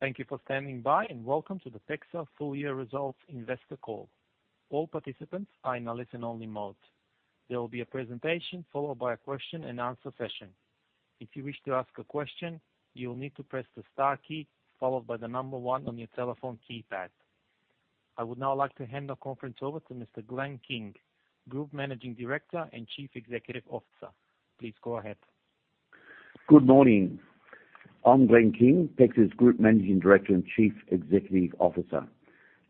Thank you for standing by, and welcome to the PEXA Full Year Results Investor Call. All participants are in a listen-only mode. There will be a presentation followed by a question-and-answer session. If you wish to ask a question, you will need to press the star key followed by the number one on your telephone keypad. I would now like to hand the conference over to Mr. Glenn King, Group Managing Director and Chief Executive Officer. Please go ahead. Good morning. I'm Glenn King, PEXA's Group Managing Director and Chief Executive Officer,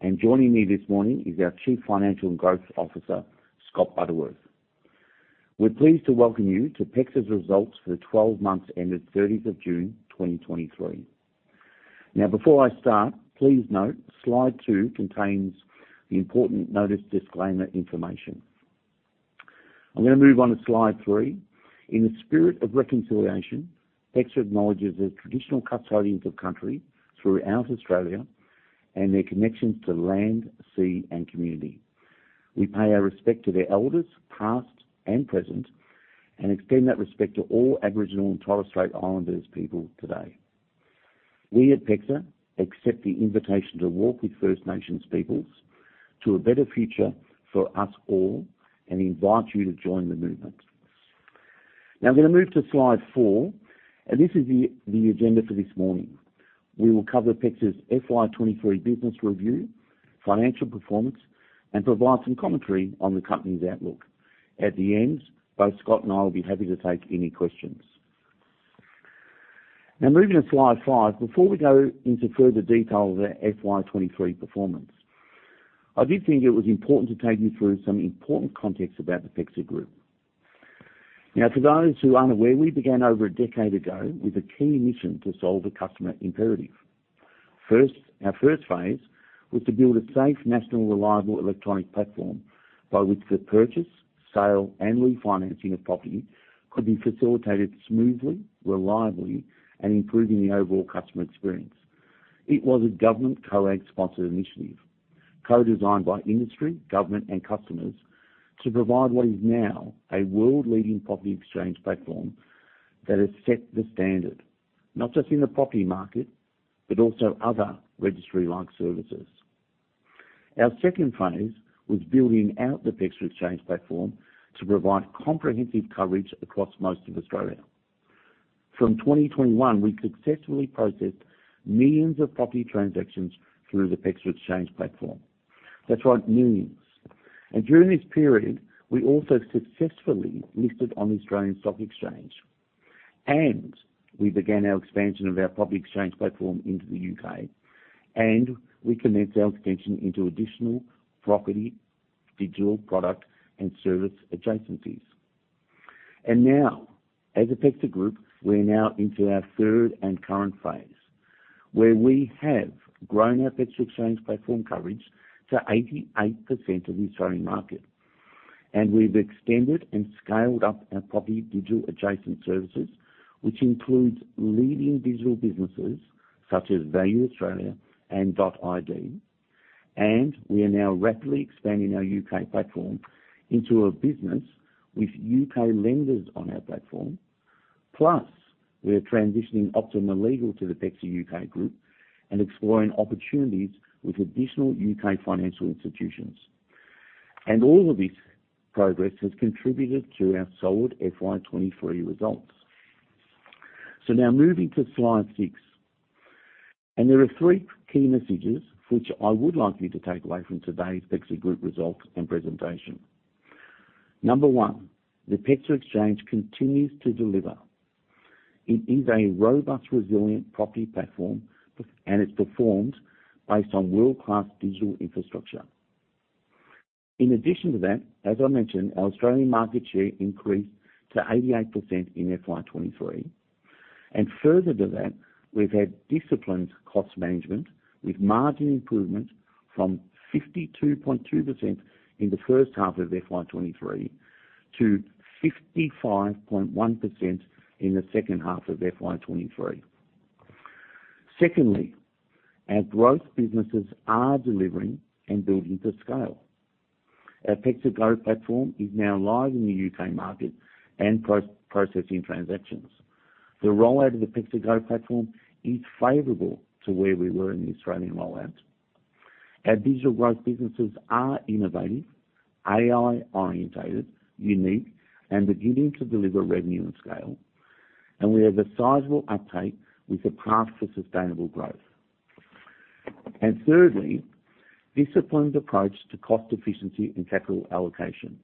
and joining me this morning is our Chief Financial and Growth Officer, Scott Butterworth. We're pleased to welcome you to PEXA's results for the 12 months ended 30th of June, 2023. Now, before I start, please note, slide 2 contains the important notice disclaimer information. I'm going to move on to slide 3. In the spirit of reconciliation, PEXA acknowledges the traditional custodians of country throughout Australia and their connections to land, sea, and community. We pay our respect to their elders, past and present, and extend that respect to all Aboriginal and Torres Strait Islander people today. We at PEXA accept the invitation to walk with First Nations Peoples to a better future for us all, and invite you to join the movement. Now, I'm going to move to slide 4, and this is the agenda for this morning. We will cover PEXA's FY 2023 business review, financial performance, and provide some commentary on the company's outlook. At the end, both Scott and I will be happy to take any questions. Now, moving to slide 5. Before we go into further detail of our FY 2023 performance, I did think it was important to take you through some important context about the PEXA Group. Now, for those who are unaware, we began over a decade ago with a key mission to solve a customer imperative. First, our first phase was to build a safe, national, reliable electronic platform by which the purchase, sale, and refinancing of property could be facilitated smoothly, reliably, and improving the overall customer experience. It was a government COAG-sponsored initiative, co-designed by industry, government, and customers to provide what is now a world-leading property exchange platform that has set the standard, not just in the property market, but also other registry-like services. Our second phase was building out the PEXA Exchange platform to provide comprehensive coverage across most of Australia. From 2021, we successfully processed millions of property transactions through the PEXA Exchange platform. That's right, millions. And during this period, we also successfully listed on the Australian Stock Exchange, and we began our expansion of our property exchange platform into the U.K., and we commenced our expansion into additional property, digital product and service adjacencies. And now, as PEXA Group, we're now into our third and current phase, where we have grown our PEXA Exchange platform coverage to 88% of the Australian market, and we've extended and scaled up our property digital adjacent services, which includes leading digital businesses such as Value Australia and .id, and we are now rapidly expanding our U.K. platform into a business with U.K. lenders on our platform. Plus, we are transitioning Optima Legal to the PEXA U.K. group and exploring opportunities with additional U.K. financial institutions. And all of this progress has contributed to our solid FY 2023 results. So now moving to slide 6, and there are three key messages which I would like you to take away from today's PEXA Group results and presentation. Number one, the PEXA Exchange continues to deliver. It is a robust, resilient property platform, and it's performed based on world-class digital infrastructure. In addition to that, as I mentioned, our Australian market share increased to 88% in FY 2023, and further to that, we've had disciplined cost management, with margin improvement from 52.2% in the first half of FY 2023 to 55.1% in the second half of FY 2023. Secondly, our growth businesses are delivering and building to scale. Our PEXA Go platform is now live in the U.K. market and processing transactions. The rollout of the PEXA Go platform is favorable to where we were in the Australian rollout. Our digital growth businesses are innovative, AI-oriented, unique, and beginning to deliver revenue and scale, and we have a sizable uptake with a path to sustainable growth. And thirdly, disciplined approach to cost efficiency and capital allocation.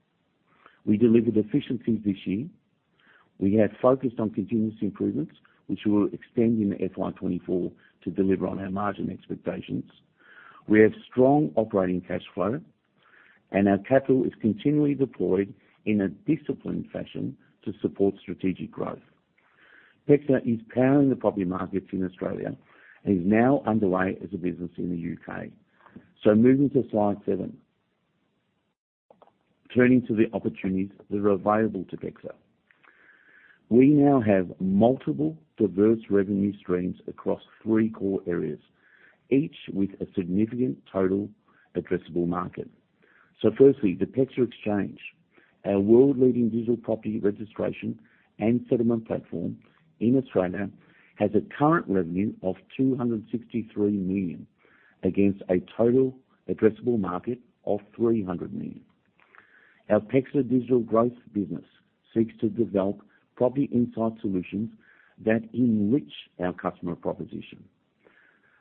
We delivered efficiencies this year. We have focused on continuous improvements, which we will extend in the FY 2024 to deliver on our margin expectations. We have strong operating cash flow, and our capital is continually deployed in a disciplined fashion to support strategic growth. PEXA is powering the property markets in Australia and is now underway as a business in the U.K. Moving to slide 7. Turning to the opportunities that are available to PEXA. We now have multiple diverse revenue streams across three core areas, each with a significant total addressable market. Firstly, the PEXA Exchange, our world-leading digital property registration and settlement platform in Australia, has a current revenue of 263 million, against a total addressable market of 300 million. Our PEXA Digital Growth business seeks to develop property insight solutions that enrich our customer proposition.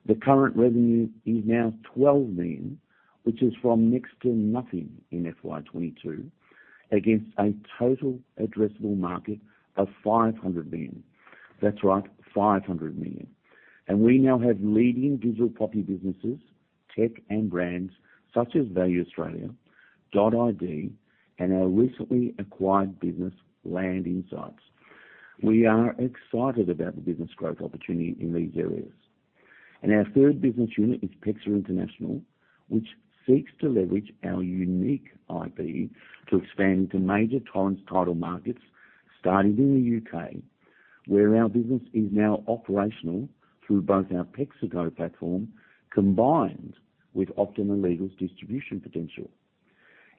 The current revenue is now 12 million, which is from next to nothing in FY 2022, against a total addressable market of 500 million. That's right, 500 million. We now have leading digital property businesses, tech, and brands such as Value Australia, .id, and our recently acquired business, Land Insights. We are excited about the business growth opportunity in these areas. Our third business unit is PEXA International, which seeks to leverage our unique IP to expand into major title, title markets, starting in the U.K., where our business is now operational through both our PEXA Go platform, combined with Optima Legal's distribution potential.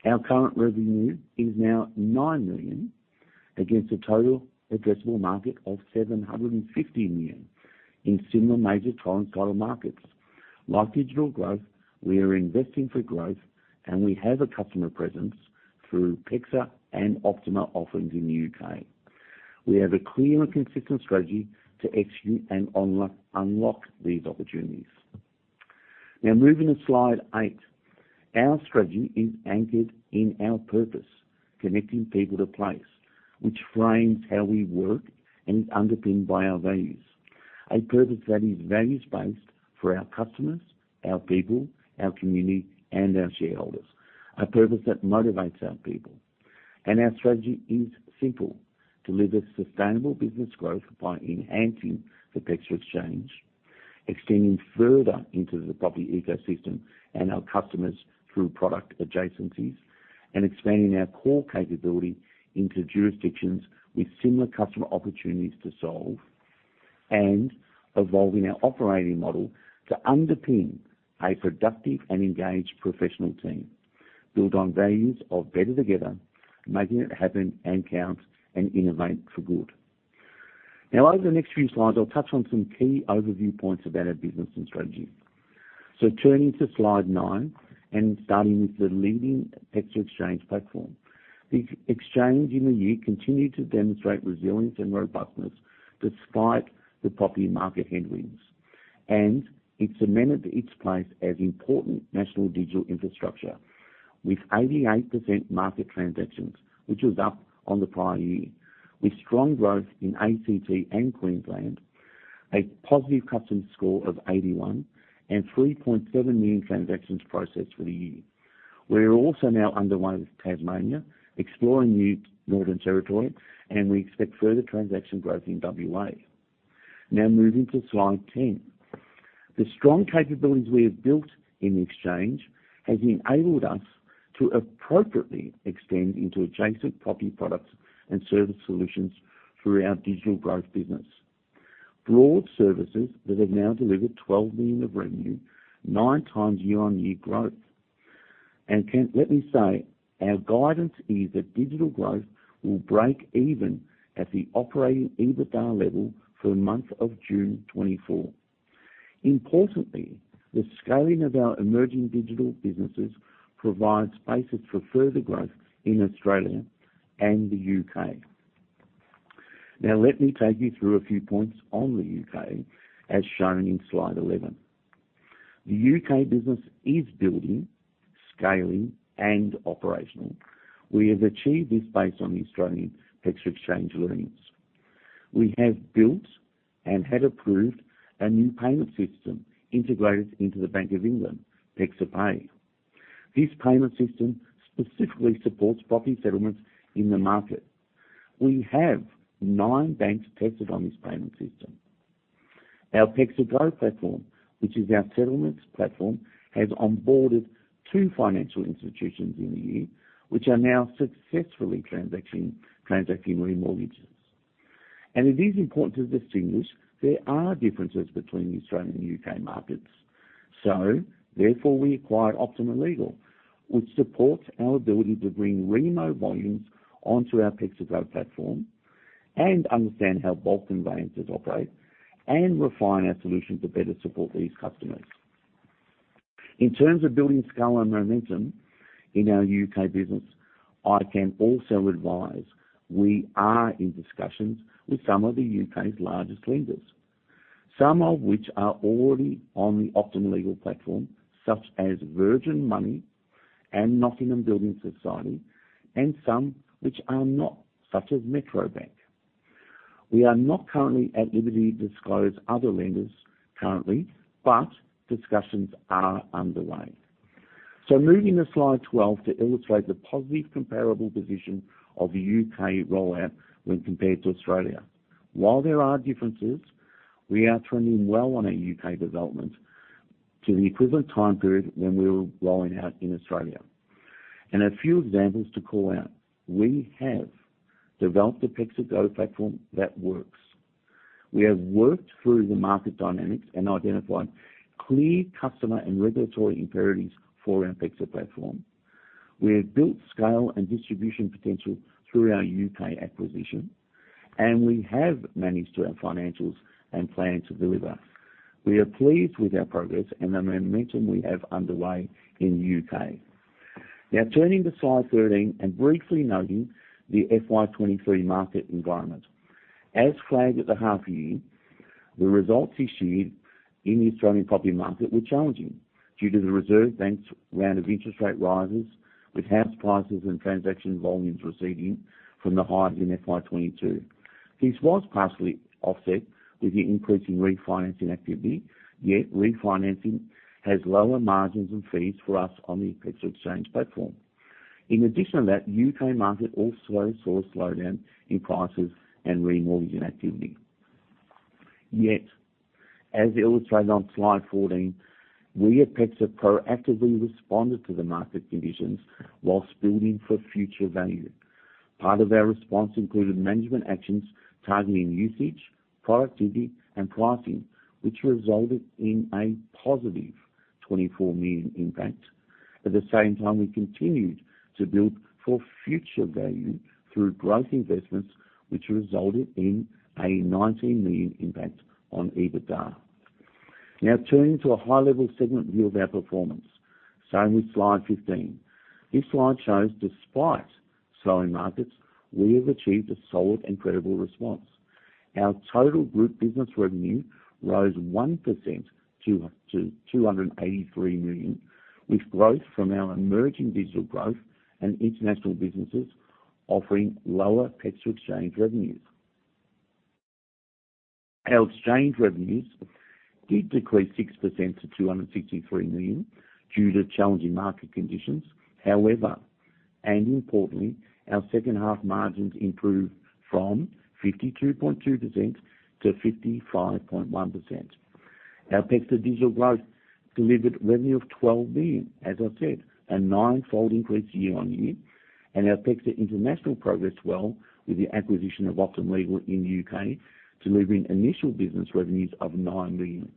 Our current revenue is now 9 million, against a total addressable market of 750 million in similar major title and title markets. Like digital growth, we are investing for growth, and we have a customer presence through PEXA and Optima offerings in the U.K. We have a clear and consistent strategy to execute and unlock, unlock these opportunities. Now, moving to slide 8. Our strategy is anchored in our purpose, connecting people to place, which frames how we work and is underpinned by our values. A purpose that is values-based for our customers, our people, our community, and our shareholders. A purpose that motivates our people. Our strategy is simple: deliver sustainable business growth by enhancing the PEXA Exchange, extending further into the property ecosystem and our customers through product adjacencies, and expanding our core capability into jurisdictions with similar customer opportunities to solve, and evolving our operating model to underpin a productive and engaged professional team, built on values of better together, making it happen and count, and innovate for good. Now, over the next few slides, I'll touch on some key overview points about our business and strategy. Turning to slide 9, and starting with the leading PEXA Exchange platform. The Exchange in the year continued to demonstrate resilience and robustness despite the property market headwinds, and it cemented its place as important national digital infrastructure, with 88% market transactions, which was up on the prior year, with strong growth in ACT and Queensland, a positive customer score of 81, and 3.7 million transactions processed for the year. We are also now underway with Tasmania, exploring new Northern Territory, and we expect further transaction growth in WA. Now moving to slide 10. The strong capabilities we have built in the Exchange has enabled us to appropriately extend into adjacent property products and service solutions through our digital growth business. Broad services that have now delivered 12 million of revenue, 9x year-on-year growth. Let me say, our guidance is that digital growth will break even at the operating EBITDA level for the month of June 2024. Importantly, the scaling of our emerging digital businesses provides basis for further growth in Australia and the U.K. Now, let me take you through a few points on the U.K., as shown in slide 11. The U.K. business is building, scaling, and operational. We have achieved this based on the Australian PEXA Exchange learnings. We have built and have approved a new payment system integrated into the Bank of England, PEXA Pay. This payment system specifically supports property settlements in the market. We have nine banks tested on this payment system. Our PEXA Go platform, which is our settlements platform, has onboarded two financial institutions in the year, which are now successfully transacting remortgages. It is important to distinguish there are differences between the Australian and U.K. markets. Therefore, we acquired Optima Legal, which supports our ability to bring remortgage volumes onto our PEXA Go platform and understand how bulk conveyancers operate, and refine our solution to better support these customers. In terms of building scale and momentum in our U.K. business, I can also advise we are in discussions with some of the U.K.'s largest lenders, some of which are already on the Optima Legal platform, such as Virgin Money and Nottingham Building Society, and some which are not, such as Metro Bank. We are not currently at liberty to disclose other lenders currently, but discussions are underway. Moving to slide 12 to illustrate the positive comparable position of the U.K. rollout when compared to Australia. While there are differences, we are trending well on our U.K. development to the equivalent time period when we were rolling out in Australia. A few examples to call out. We have developed a PEXA Go platform that works. We have worked through the market dynamics and identified clear customer and regulatory imperatives for our PEXA platform. We have built scale and distribution potential through our U.K. acquisition, and we have managed our financials and plan to deliver. We are pleased with our progress and the momentum we have underway in the U.K. Now, turning to slide 13, and briefly noting the FY 2023 market environment. As flagged at the half year, the results this year in the Australian property market were challenging due to the Reserve Bank's round of interest rate rises, with house prices and transaction volumes receding from the highs in FY 2022. This was partially offset with the increase in refinancing activity, yet refinancing has lower margins and fees for us on the PEXA Exchange platform. In addition to that, U.K. market also saw a slowdown in prices and remortgaging activity. Yet, as illustrated on slide 14, we at PEXA proactively responded to the market conditions while building for future value. Part of our response included management actions targeting usage, productivity, and pricing, which resulted in a positive 24 million impact. At the same time, we continued to build for future value through growth investments, which resulted in a 19 million impact on EBITDA. Now, turning to a high-level segment view of our performance, starting with slide 15. This slide shows, despite slowing markets, we have achieved a solid and credible response. Our total group business revenue rose 1% to 283 million, with growth from our emerging digital growth and international businesses offsetting lower PEXA Exchange revenues. Our Exchange revenues did decrease 6% to 263 million due to challenging market conditions. However, and importantly, our second half margins improved from 52.2% to 55.1%. Our PEXA Digital Growth delivered revenue of 12 million, as I said, a ninefold increase year-on-year. And our PEXA International progressed well with the acquisition of Optima Legal in U.K., delivering initial business revenues of 9 million.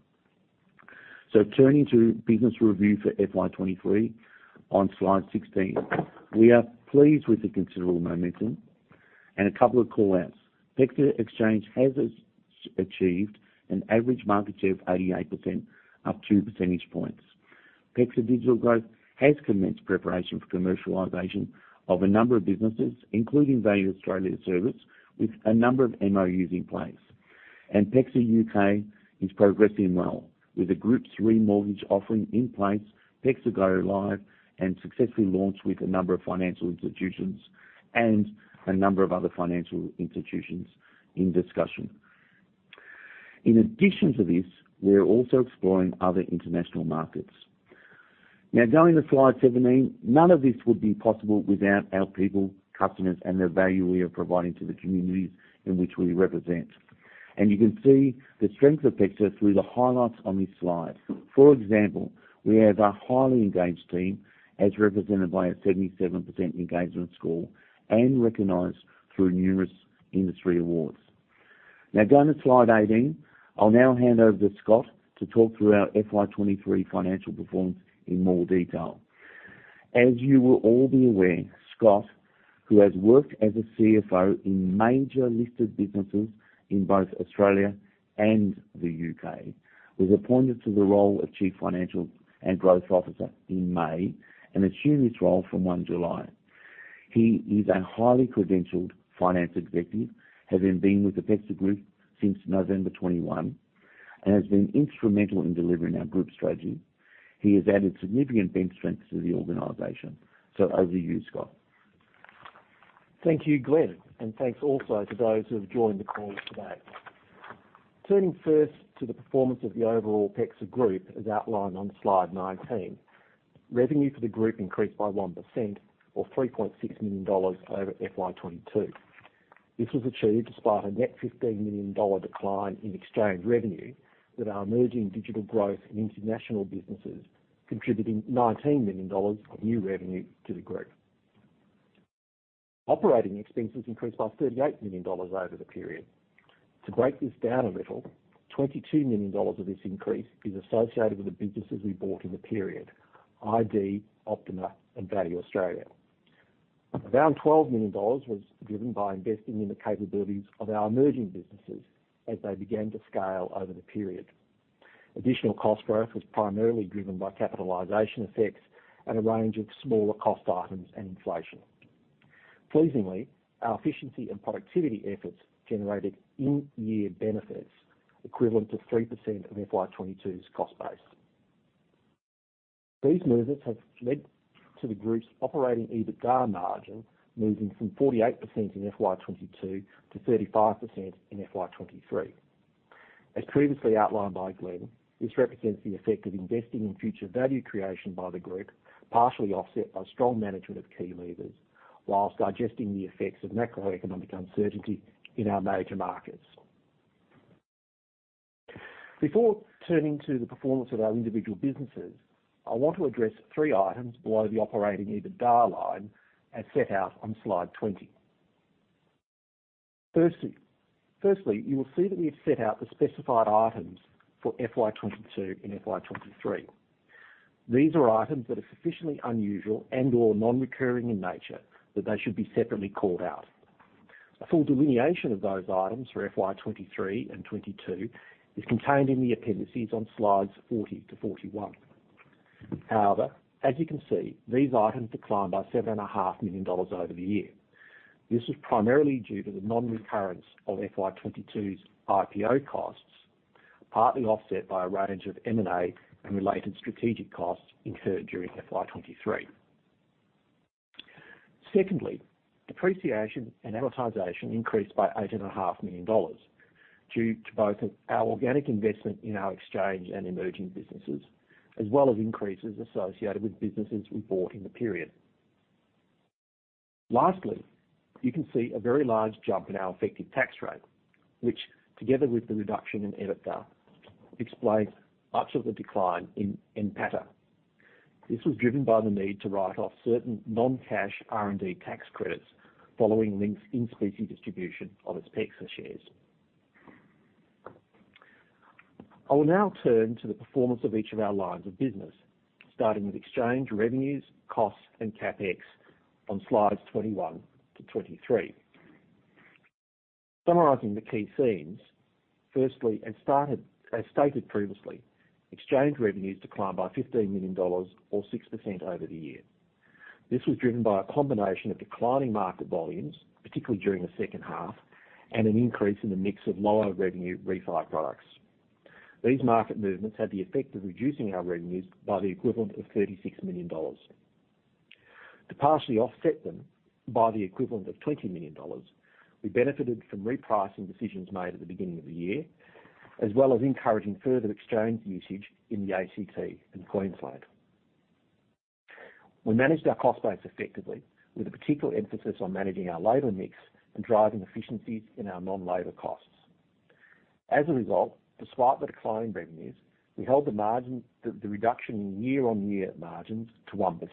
So turning to business review for FY 2023 on slide 16. We are pleased with the considerable momentum and a couple of call-outs. PEXA Exchange has achieved an average market share of 88%, up 2 percentage points. PEXA Digital Growth has commenced preparation for commercialization of a number of businesses, including Value Australia service, with a number of MOUs in place. PEXA U.K. is progressing well, with the Group's remortgage offering in place, PEXA Go live and successfully launched with a number of financial institutions and a number of other financial institutions in discussion. In addition to this, we're also exploring other international markets. Now, going to slide 17. None of this would be possible without our people, customers, and the value we are providing to the communities in which we represent. You can see the strength of PEXA through the highlights on this slide. For example, we have a highly engaged team, as represented by a 77% engagement score and recognized through numerous industry awards. Now, going to slide 18. I'll now hand over to Scott to talk through our FY 2023 financial performance in more detail. As you will all be aware, Scott, who has worked as a CFO in major listed businesses in both Australia and the U.K., was appointed to the role of Chief Financial and Growth Officer in May and assumed this role from 1 July. He is a highly credentialed finance executive, having been with the PEXA Group since November 2021, and has been instrumental in delivering our group strategy. He has added significant bench strength to the organization. So over to you, Scott. Thank you, Glenn, and thanks also to those who have joined the call today. Turning first to the performance of the overall PEXA Group, as outlined on slide 19. Revenue for the group increased by 1% or 3.6 million dollars over FY 2022. This was achieved despite a net 15 million dollar decline in Exchange revenue, with our emerging digital growth and international businesses contributing 19 million dollars of new revenue to the group. Operating expenses increased by 38 million dollars over the period. To break this down a little, 22 million dollars of this increase is associated with the businesses we bought in the period: .id, Optima, and Value Australia. Around 12 million dollars was driven by investing in the capabilities of our emerging businesses as they began to scale over the period. Additional cost growth was primarily driven by capitalization effects and a range of smaller cost items and inflation. Pleasingly, our efficiency and productivity efforts generated in-year benefits equivalent to 3% of FY 2022's cost base. These movements have led to the group's operating EBITDA margin moving from 48% in FY 2022 to 35% in FY 2023. As previously outlined by Glenn, this represents the effect of investing in future value creation by the group, partially offset by strong management of key levers, while digesting the effects of macroeconomic uncertainty in our major markets. Before turning to the performance of our individual businesses, I want to address three items below the operating EBITDA line, as set out on slide 20. Firstly, you will see that we've set out the specified items for FY 2022 and FY 2023. These are items that are sufficiently unusual and/or non-recurring in nature that they should be separately called out. A full delineation of those items for FY 2023 and 2022 is contained in the appendices on slides 40-41. However, as you can see, these items declined by 7.5 million dollars over the year. This was primarily due to the non-recurrence of FY 2022's IPO costs, partly offset by a range of M&A and related strategic costs incurred during FY 2023. Secondly, depreciation and amortization increased by 8.5 million dollars due to both our organic investment in our exchange and emerging businesses, as well as increases associated with businesses we bought in the period. Lastly, you can see a very large jump in our effective tax rate, which, together with the reduction in EBITDA, explains much of the decline in NPATA. This was driven by the need to write off certain non-cash R&D tax credits following Link's in-specie distribution of its PEXA shares. I will now turn to the performance of each of our lines of business, starting with exchange revenues, costs, and CapEx on slides 21-23. Summarizing the key themes, firstly, as stated previously, exchange revenues declined by 15 million dollars or 6% over the year. This was driven by a combination of declining market volumes, particularly during the second half, and an increase in the mix of lower revenue refi products. These market movements had the effect of reducing our revenues by the equivalent of 36 million dollars. To partially offset them by the equivalent of 20 million dollars, we benefited from repricing decisions made at the beginning of the year, as well as encouraging further exchange usage in the ACT in Queensland. We managed our cost base effectively, with a particular emphasis on managing our labor mix and driving efficiencies in our non-labor costs. As a result, despite the decline in revenues, we held the margin, the reduction in year-on-year margins to 1%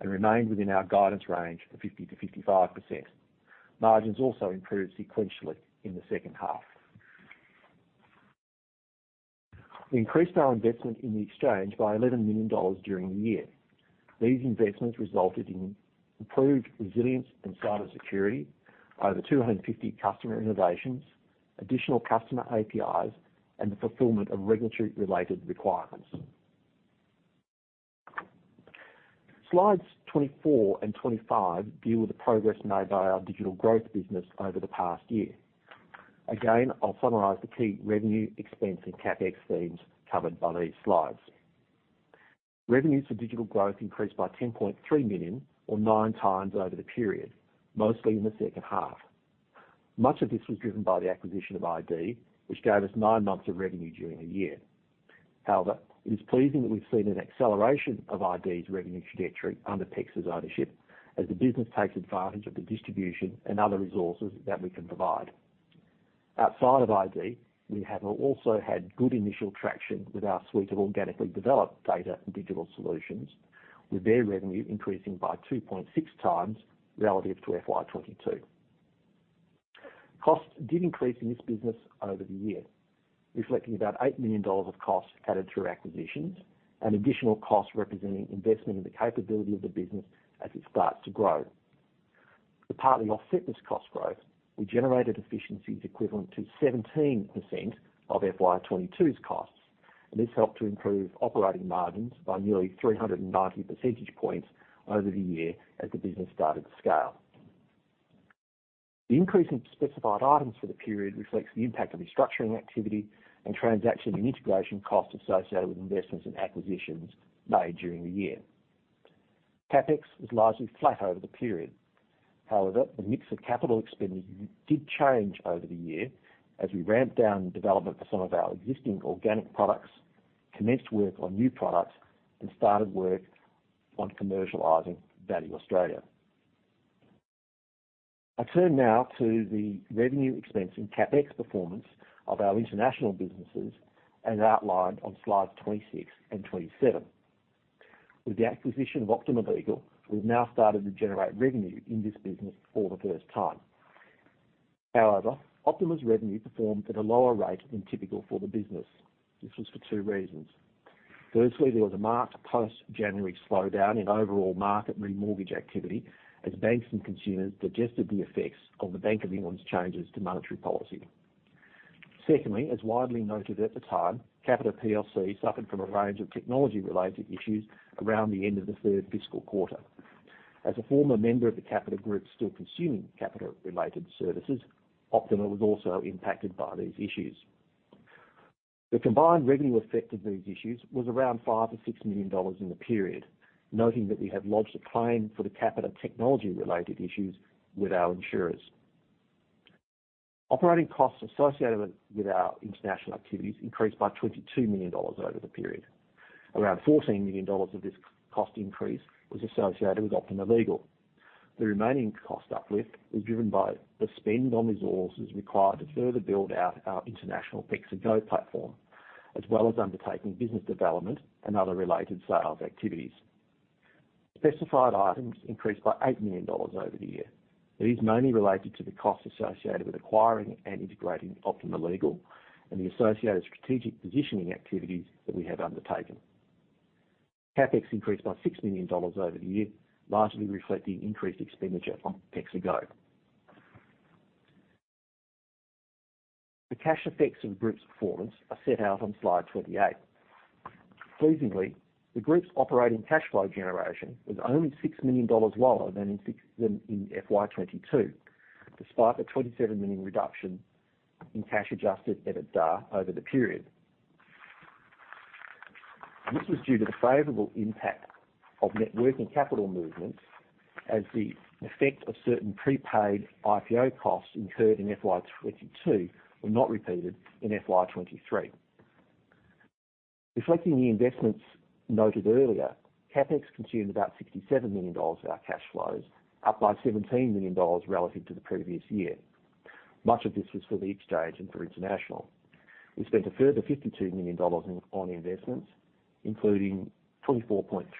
and remained within our guidance range of 50%-55%. Margins also improved sequentially in the second half. We increased our investment in the exchange by 11 million dollars during the year. These investments resulted in improved resilience and cyber security over 250 customer innovations, additional customer APIs, and the fulfillment of regulatory-related requirements. Slides 24 and 25 deal with the progress made by our digital growth business over the past year. Again, I'll summarize the key revenue, expense, and CapEx themes covered by these slides. Revenues for digital growth increased by 10.3 million, or 9x over the period, mostly in the second half. Much of this was driven by the acquisition of .id, which gave us nine months of revenue during the year. However, it is pleasing that we've seen an acceleration of .id's revenue trajectory under PEXA's ownership, as the business takes advantage of the distribution and other resources that we can provide. Outside of .id, we have also had good initial traction with our suite of organically developed data and digital solutions, with their revenue increasing by 2.6x relative to FY 2022. Costs did increase in this business over the year, reflecting about 8 million dollars of costs added through acquisitions and additional costs representing investment in the capability of the business as it starts to grow. To partly offset this cost growth, we generated efficiencies equivalent to 17% of FY 2022's costs, and this helped to improve operating margins by nearly 390 percentage points over the year as the business started to scale. The increase in specified items for the period reflects the impact of restructuring activity and transaction and integration costs associated with investments and acquisitions made during the year. CapEx was largely flat over the period. However, the mix of capital expenditure did change over the year as we ramped down development for some of our existing organic products, commenced work on new products, and started work on commercializing Value Australia. I turn now to the revenue expense and CapEx performance of our international businesses, as outlined on slides 26 and 27. With the acquisition of Optima Legal, we've now started to generate revenue in this business for the first time. However, Optima's revenue performed at a lower rate than typical for the business. This was for two reasons. Firstly, there was a marked post-January slowdown in overall market remortgage activity as banks and consumers digested the effects of the Bank of England's changes to monetary policy. Secondly, as widely noted at the time, Capita plc suffered from a range of technology-related issues around the end of the third fiscal quarter. As a former member of the Capita group, still consuming Capita-related services, Optima was also impacted by these issues. The combined revenue effect of these issues was around 5 million-6 million dollars in the period, noting that we have lodged a claim for the Capita technology-related issues with our insurers. Operating costs associated with our international activities increased by 22 million dollars over the period. Around 14 million dollars of this cost increase was associated with Optima Legal. The remaining cost uplift is driven by the spend on resources required to further build out our international PEXA Go platform, as well as undertaking business development and other related sales activities. Specified items increased by 8 million dollars over the year. It is mainly related to the costs associated with acquiring and integrating Optima Legal and the associated strategic positioning activities that we have undertaken. CapEx increased by 6 million dollars over the year, largely reflecting increased expenditure on PEXA Go. The cash effects of the group's performance are set out on slide 28. Pleasingly, the group's operating cash flow generation was only 6 million dollars lower than in FY 2022, despite the 27 million reduction in cash adjusted EBITDA over the period. This was due to the favorable impact of net working capital movements as the effect of certain prepaid IPO costs incurred in FY 2022 were not repeated in FY 2023. Reflecting the investments noted earlier, CapEx consumed about 67 million dollars of our cash flows, up by 17 million dollars relative to the previous year. Much of this was for the exchange and for international. We spent a further 52 million dollars on investments, including 24 point--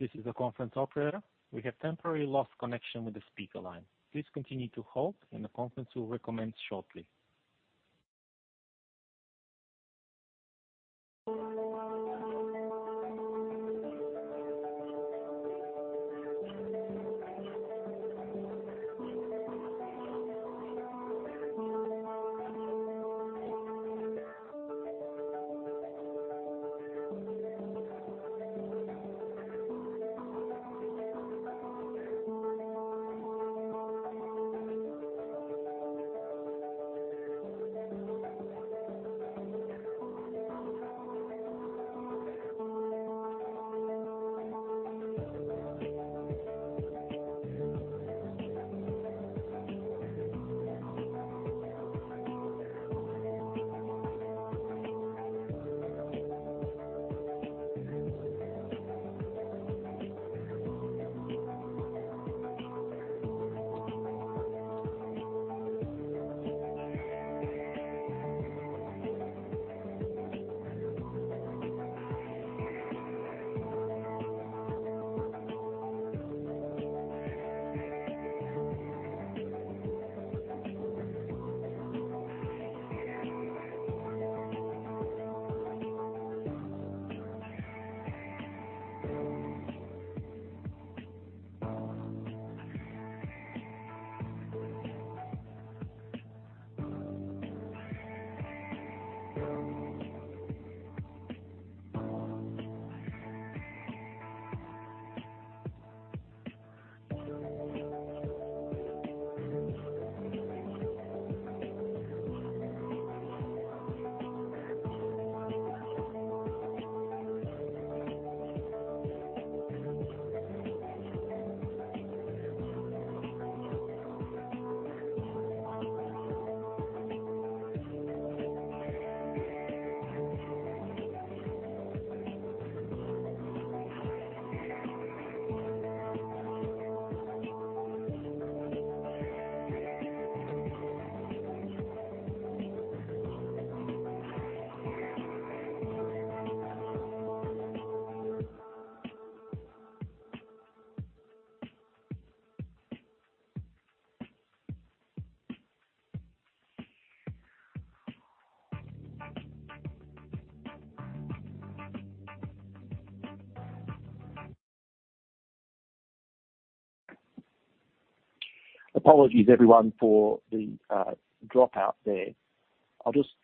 This is the conference operator. We have temporarily lost connection with the speaker line. Please continue to hold and the conference will resume shortly. Apologies, everyone, for the dropout there. I'll just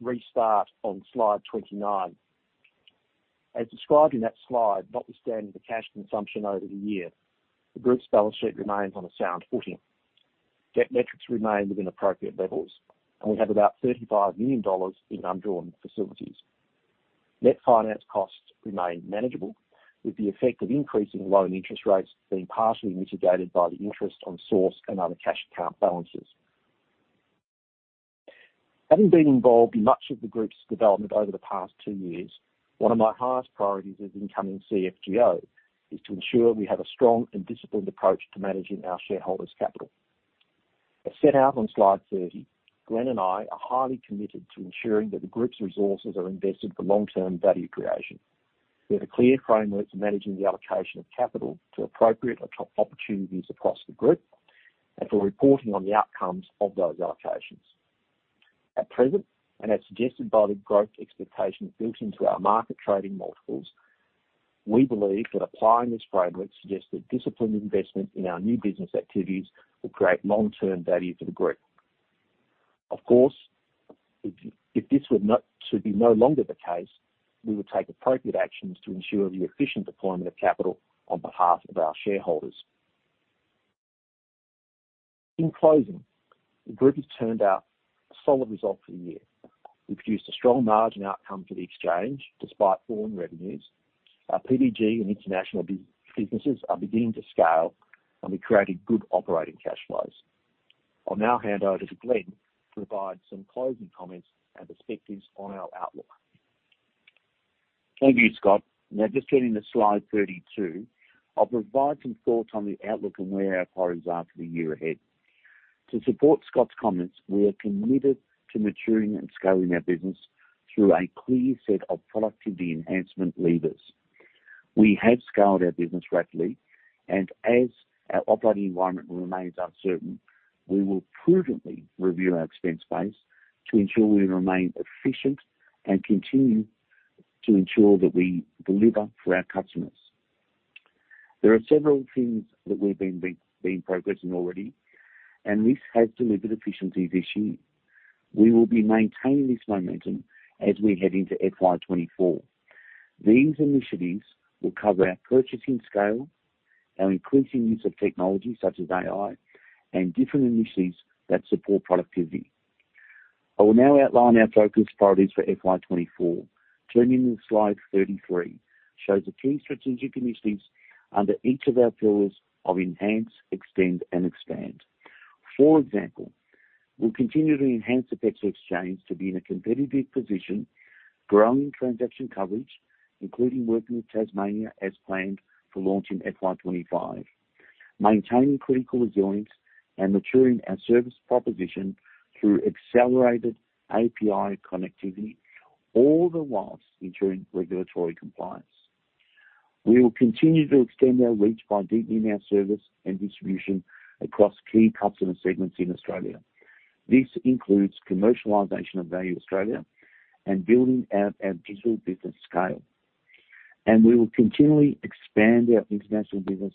restart on slide 29. As described in that slide, notwithstanding the cash consumption over the year, the group's balance sheet remains on a sound footing. Debt metrics remain within appropriate levels, and we have about 35 million dollars in undrawn facilities. Net finance costs remain manageable, with the effect of increasing loan interest rates being partially mitigated by the interest on source and other cash account balances. Having been involved in much of the group's development over the past two years, one of my highest priorities as incoming CFGO is to ensure we have a strong and disciplined approach to managing our shareholders' capital. As set out on slide 30, Glenn and I are highly committed to ensuring that the group's resources are invested for long-term value creation. We have a clear framework for managing the allocation of capital to appropriate opportunities across the group and for reporting on the outcomes of those allocations. At present, and as suggested by the growth expectations built into our market trading multiples, we believe that applying this framework suggests that disciplined investment in our new business activities will create long-term value for the group. Of course, if this should no longer be the case, we would take appropriate actions to ensure the efficient deployment of capital on behalf of our shareholders. In closing, the group has turned out a solid result for the year. We produced a strong margin outcome for the exchange, despite foreign revenues. Our PDG and international businesses are beginning to scale, and we created good operating cash flows. I'll now hand over to Glenn to provide some closing comments and perspectives on our outlook. Thank you, Scott. Now, just turning to slide 32, I'll provide some thoughts on the outlook and where our priorities are for the year ahead. To support Scott's comments, we are committed to maturing and scaling our business through a clear set of productivity enhancement levers. We have scaled our business rapidly, and as our operating environment remains uncertain, we will prudently review our expense base to ensure we remain efficient and continue to ensure that we deliver for our customers. There are several things that we've been progressing already, and this has delivered efficiencies this year. We will be maintaining this momentum as we head into FY 2024. These initiatives will cover our purchasing scale, our increasing use of technology such as AI, and different initiatives that support productivity. I will now outline our focus priorities for FY 2024. Turning to slide 33, shows the key strategic initiatives under each of our pillars of enhance, extend, and expand. For example, we'll continue to enhance the PEXA Exchange to be in a competitive position, growing transaction coverage, including working with Tasmania as planned for launch in FY 2025, maintaining critical resilience, and maturing our service proposition through accelerated API connectivity, all the while ensuring regulatory compliance. We will continue to extend our reach by deepening our service and distribution across key customer segments in Australia. This includes commercialization of Value Australia and building out our digital business scale. We will continually expand our international business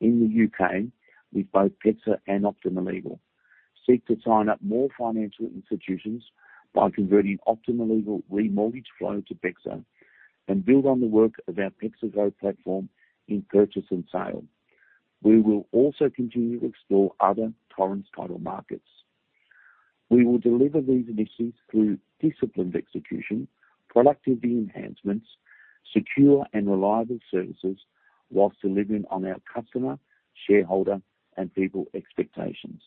in the U.K. with both PEXA and Optima Legal. Seek to sign up more financial institutions by converting Optima Legal remortgage flow to PEXA, and build on the work of our PEXA Go platform in purchase and sale. We will also continue to explore other Torrens Title markets. We will deliver these initiatives through disciplined execution, productivity enhancements, secure and reliable services, while delivering on our customer, shareholder, and people expectations.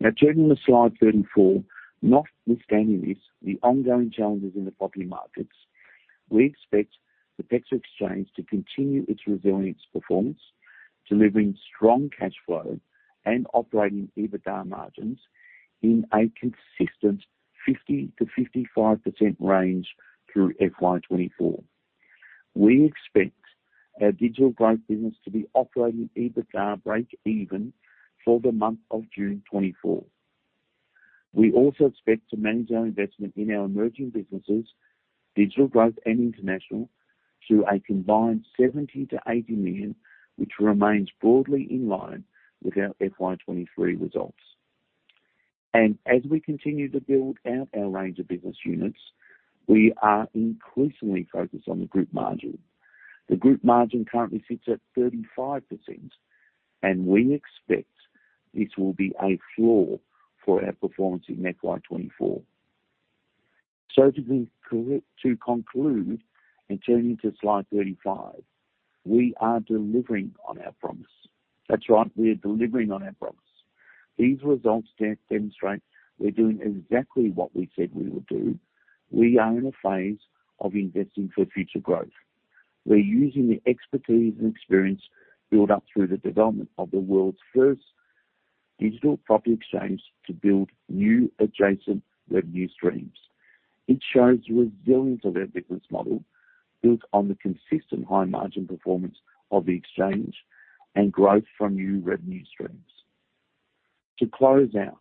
Now, turning to slide 34, notwithstanding this, the ongoing challenges in the property markets, we expect the PEXA Exchange to continue its resilience performance, delivering strong cash flow and operating EBITDA margins in a consistent 50%-55% range through FY 2024. We expect our digital growth business to be operating EBITDA breakeven for the month of June 2024. We also expect to manage our investment in our emerging businesses, digital growth and international, through a combined 70 million-80 million, which remains broadly in line with our FY 2023 results. As we continue to build out our range of business units, we are increasingly focused on the group margin. The group margin currently sits at 35%, and we expect this will be a floor for our performance in FY 2024. So to be correct, to conclude, and turning to slide 35, we are delivering on our promise. That's right, we are delivering on our promise. These results demonstrate we're doing exactly what we said we would do. We are in a phase of investing for future growth. We're using the expertise and experience built up through the development of the world's first digital property exchange to build new adjacent revenue streams. It shows the resilience of our business model, built on the consistent high-margin performance of the exchange and growth from new revenue streams. To close out,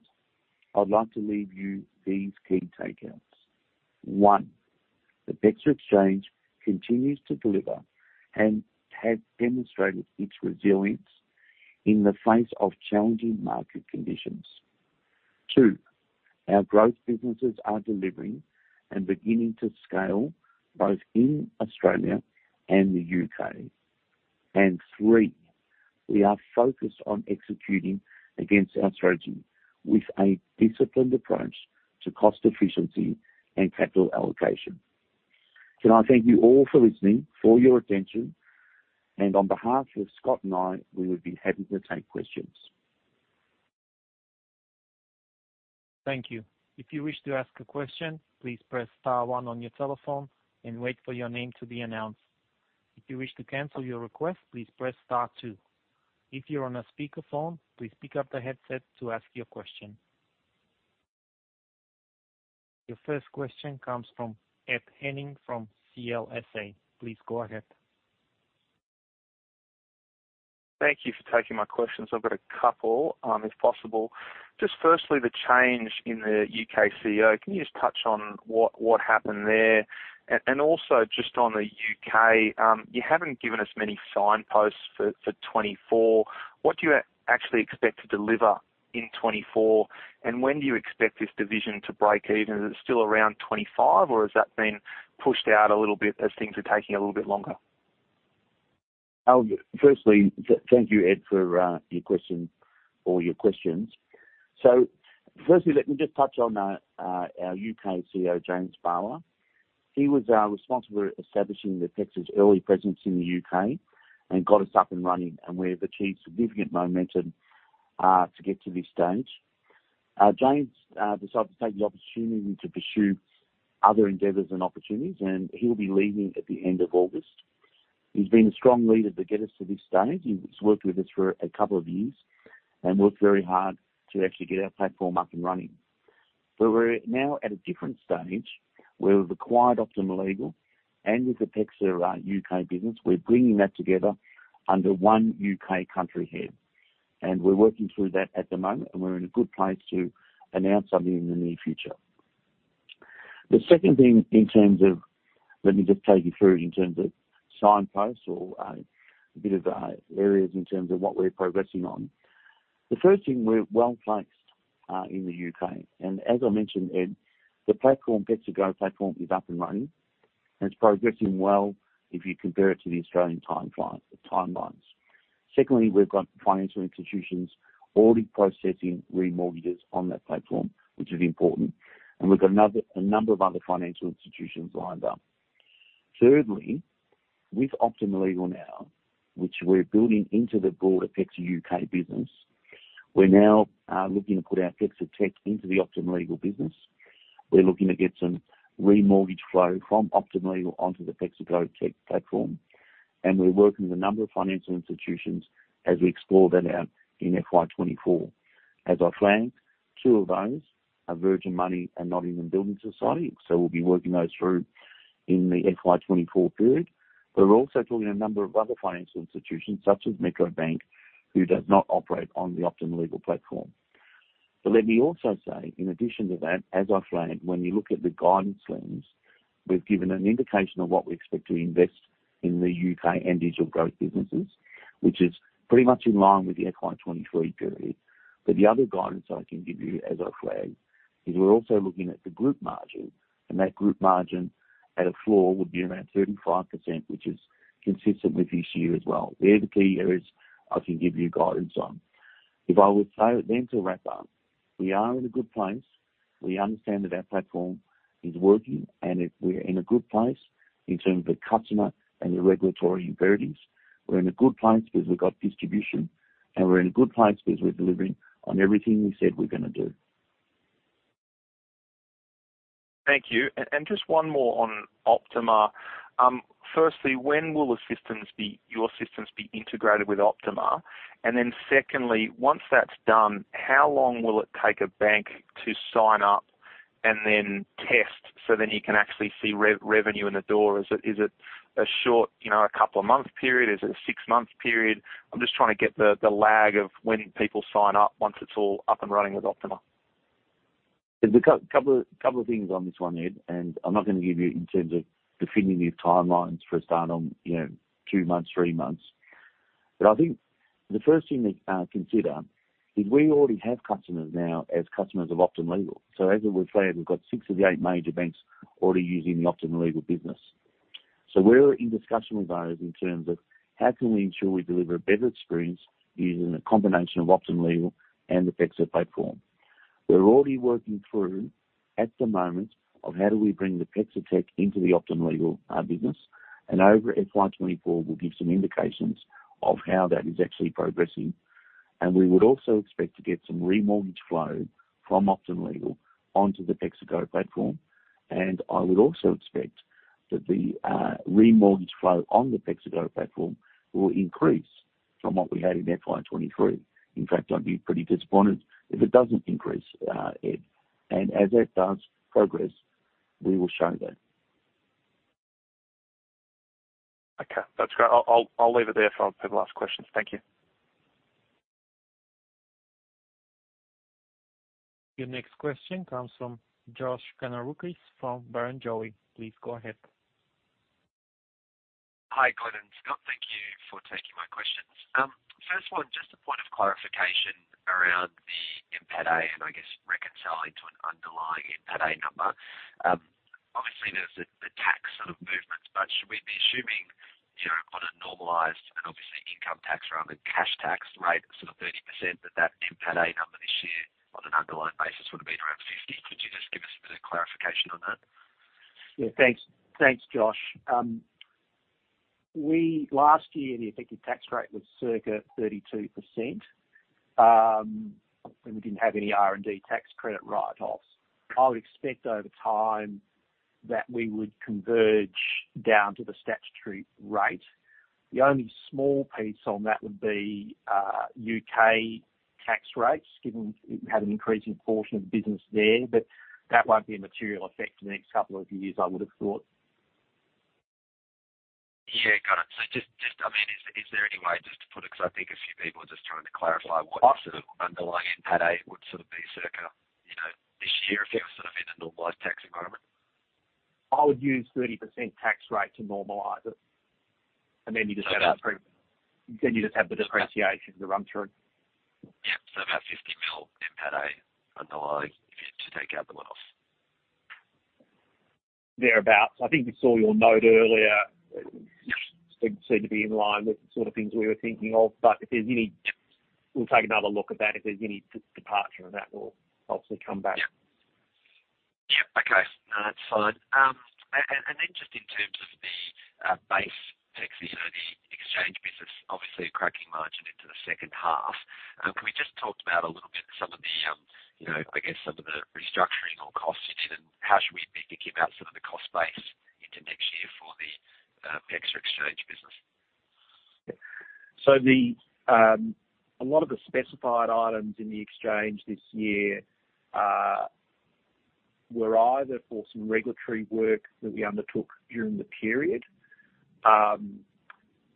I'd like to leave you these key takeaways. One, the PEXA Exchange continues to deliver and has demonstrated its resilience in the face of challenging market conditions. Two, our growth businesses are delivering and beginning to scale both in Australia and the U.K. And three, we are focused on executing against our strategy with a disciplined approach to cost efficiency and capital allocation. Can I thank you all for listening, for your attention, and on behalf of Scott and I, we would be happy to take questions. Thank you. If you wish to ask a question, please press star one on your telephone and wait for your name to be announced. If you wish to cancel your request, please press star two. If you're on a speakerphone, please pick up the headset to ask your question. Your first question comes from Ed Henning from CLSA. Please go ahead. Thank you for taking my questions. I've got a couple, if possible. Just firstly, the change in the UK CEO, can you just touch on what, what happened there? And, and also just on the U.K., you haven't given us many signposts for, for 2024. What do you actually expect to deliver in 2024, and when do you expect this division to break even? Is it still around 2025, or has that been pushed out a little bit as things are taking a little bit longer? I'll, firstly, thank you, Ed, for, your question or your questions. So firstly, let me just touch on, our UK CEO, James Barlow. He was, responsible for establishing the PEXA early presence in the U.K. and got us up and running, and we've achieved significant momentum, to get to this stage. James, decided to take the opportunity to pursue other endeavors and opportunities, and he'll be leaving at the end of August. He's been a strong leader to get us to this stage. He's worked with us for a couple of years and worked very hard to actually get our platform up and running. But we're now at a different stage, where we've acquired Optima Legal and with PEXA, U.K. business, we're bringing that together under one U.K. country head, and we're working through that at the moment, and we're in a good place to announce something in the near future. The second thing in terms of-- Let me just take you through in terms of signposts or, a bit of, areas in terms of what we're progressing on. The first thing, we're well-placed, in the U.K., and as I mentioned, Ed, the platform, PEXA Go platform is up and running, and it's progressing well if you compare it to the Australian timelines. Secondly, we've got financial institutions already processing remortgages on that platform, which is important, and we've got a number of other financial institutions lined up. Thirdly, with Optima Legal now, which we're building into the broader PEXA UK business, we're now looking to put our PEXA tech into the Optima Legal business. We're looking to get some remortgage flow from Optima Legal onto the PEXA Go tech platform, and we're working with a number of financial institutions as we explore that out in FY 2024. As I flagged, two of those are Virgin Money and Nottingham Building Society, so we'll be working those through in the FY 2024 period. But we're also talking to a number of other financial institutions, such as Metro Bank, who does not operate on the Optima Legal platform. But let me also say, in addition to that, as I flagged, when you look at the guidance lens, we've given an indication of what we expect to invest in the U.K. and digital growth businesses, which is pretty much in line with the FY 2023 period. But the other guidance I can give you, as I flagged, is we're also looking at the group margin, and that group margin at a floor would be around 35%, which is consistent with this year as well. They're the key areas I can give you guidance on. If I were to say, then to wrap up, we are in a good place. We understand that our platform is working, and if we're in a good place in terms of the customer and the regulatory imperatives, we're in a good place because we've got distribution, and we're in a good place because we're delivering on everything we said we're going to do. Thank you. And just one more on Optima. Firstly, when will the systems be, your systems be integrated with Optima? And then secondly, once that's done, how long will it take a bank to sign up and then test so then you can actually see revenue in the door? Is it a short, you know, a couple of months period? Is it a six-month period? I'm just trying to get the lag of when people sign up once it's all up and running with Optima. There's a couple of things on this one, Ed, and I'm not going to give you in terms of definitive timelines for a start on, you know, two months, three months. But I think the first thing to consider is we already have customers now as customers of Optima Legal. So as we've said, we've got six of the eight major banks already using the Optima Legal business. So we're in discussion with those in terms of how can we ensure we deliver a better experience using a combination of Optima Legal and PEXA platform. We're already working through, at the moment, of how do we bring the PEXA tech into the Optima Legal business, and over FY 2024, we'll give some indications of how that is actually progressing. We would also expect to get some remortgage flow from Optima Legal onto the PEXA Go platform. And I would also expect that the remortgage flow on the PEXA Go platform will increase from what we had in FY 2023. In fact, I'd be pretty disappointed if it doesn't increase, Ed. And as that does progress, we will show that. Okay, that's great. I'll leave it there for the last questions. Thank you. Your next question comes from Josh Kannourakis from Barrenjoey. Please go ahead. Hi, Glenn and Scott. Thank you for taking my questions. First one, just a point of clarification around the NPATA, and I guess reconciling to an underlying NPATA number. Obviously, there's the tax sort of movements, but should we be assuming, you know, on a normalized and obviously income tax rather than cash tax rate of sort of 30%, that that NPATA number this year, on an underlying basis, would have been around 50 million? Could you just give us a bit of clarification on that? Yeah. Thanks. Thanks, Josh. We last year, the effective tax rate was circa 32%, and we didn't have any R&D tax credit write-offs. I would expect over time that we would converge down to the statutory rate. The only small piece on that would be U.K. tax rates, given we had an increasing portion of business there, but that won't be a material effect in the next couple of years, I would have thought. Yeah, got it. So just, I mean, is there any way just to put it? Because I think a few people are just trying to clarify what sort of underlying NPATA would sort of be circa, you know, this year, if it was sort of in a normalized tax environment. I would use 30% tax rate to normalize it, and then you just-- So about-- Then you just have the depreciation, the run-through. Yeah. So about 50 million NPATA underlying if you just take out the one-off. Thereabouts. I think we saw your note earlier. It seemed to be in line with the sort of things we were thinking of, but if there's any, we'll take another look at that. If there's any departure of that, we'll obviously come back. Yeah. Okay, no, that's fine. And then just in terms of the base PEXA, you know, the exchange business, obviously a cracking margin into the second half. Can we just talk about a little bit some of the, you know, I guess some of the restructuring or costs you did, and how should we be thinking about some of the cost base into next year for the PEXA exchange business? So a lot of the specified items in the exchange this year were either for some regulatory work that we undertook during the period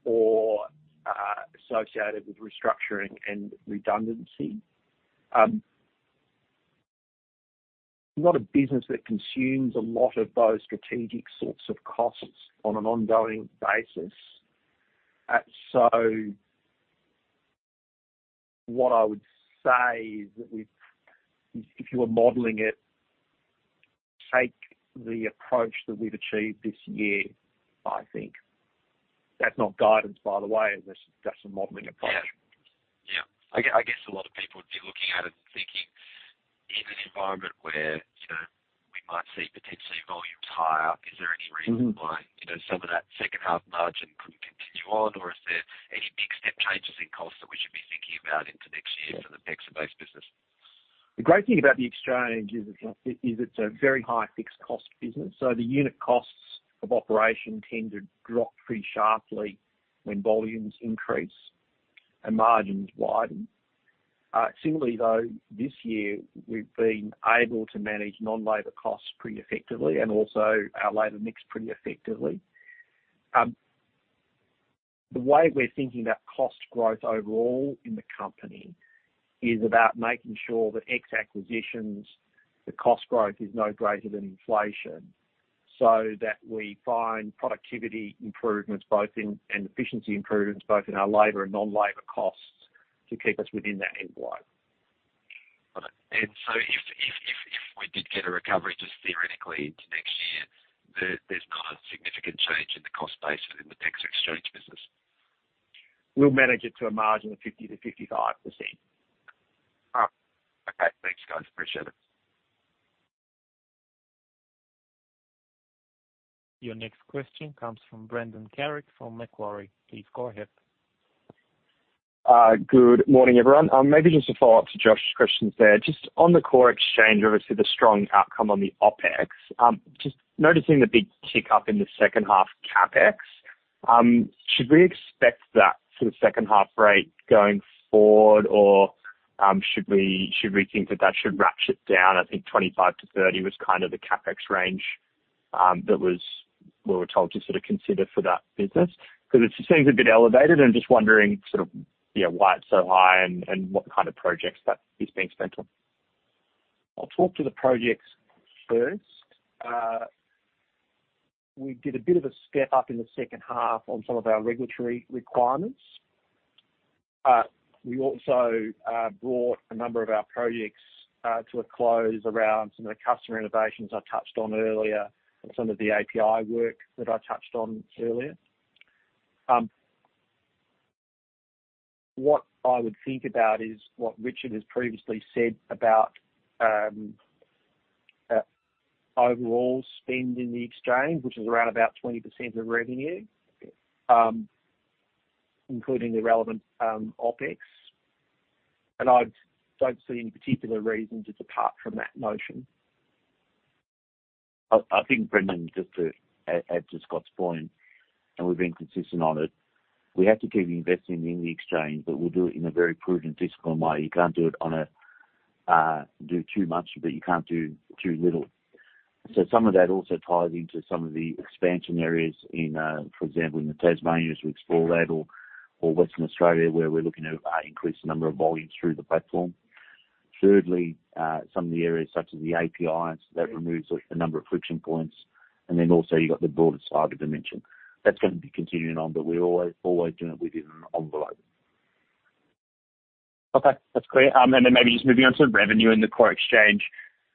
or associated with restructuring and redundancy. Not a business that consumes a lot of those strategic sorts of costs on an ongoing basis. So what I would say is that we've. If you were modeling it, take the approach that we've achieved this year, I think. That's not guidance, by the way, that's a modeling approach. Yeah. I guess, I guess a lot of people would be looking at it and thinking, in an environment where, you know, we might see potentially volumes higher, is there any reason why, you know, some of that second half margin couldn't continue on? Or is there any big step changes in costs that we should be thinking about into next year for the PEXA-based business? The great thing about the exchange is it's a very high fixed cost business, so the unit costs of operation tend to drop pretty sharply when volumes increase and margins widen. Similarly, though, this year, we've been able to manage non-labor costs pretty effectively and also our labor mix pretty effectively. The way we're thinking about cost growth overall in the company is about making sure that our acquisitions, the cost growth is no greater than inflation, so that we find productivity improvements and efficiency improvements both in our labor and non-labor costs to keep us within that envelope. Got it. And so if we did get a recovery, just theoretically into next year, there's not a significant change in the cost base in the PEXA Exchange business. We'll manage it to a margin of 50%-55%. Oh, okay. Thanks, guys. Appreciate it. Your next question comes from Brendan Carrig from Macquarie. Please go ahead. Good morning, everyone. Maybe just a follow-up to Josh's questions there. Just on the core exchange, obviously, the strong outcome on the OpEx. Just noticing the big kick up in the second half CapEx, should we expect that sort of second half rate going forward, or, should we think that that should ratchet down? I think 25 million-30 million was kind of the CapEx range, that was--we were told to sort of consider for that business. Because it seems a bit elevated and just wondering sort of, you know, why it's so high and what kind of projects that is being spent on. I'll talk to the projects first. We did a bit of a step up in the second half on some of our regulatory requirements. We also brought a number of our projects to a close around some of the customer innovations I touched on earlier, and some of the API work that I touched on earlier. What I would think about is what Richard has previously said about overall spend in the exchange, which is around about 20% of revenue, including the relevant OpEx. And I don't see any particular reason to depart from that notion. I think, Brendan, just to add to Scott's point, and we've been consistent on it, we have to keep investing in the exchange, but we'll do it in a very prudent, disciplined way. You can't do too much, but you can't do too little. So some of that also ties into some of the expansion areas in, for example, in Tasmania, as we explore that or Western Australia, where we're looking at increasing the number of volumes through the platform. Thirdly, some of the areas such as the API, that removes a number of friction points. And then also you've got the broader cyber dimension. That's going to be continuing on, but we're always doing it within an envelope. Okay, that's clear. And then maybe just moving on to revenue in the core exchange,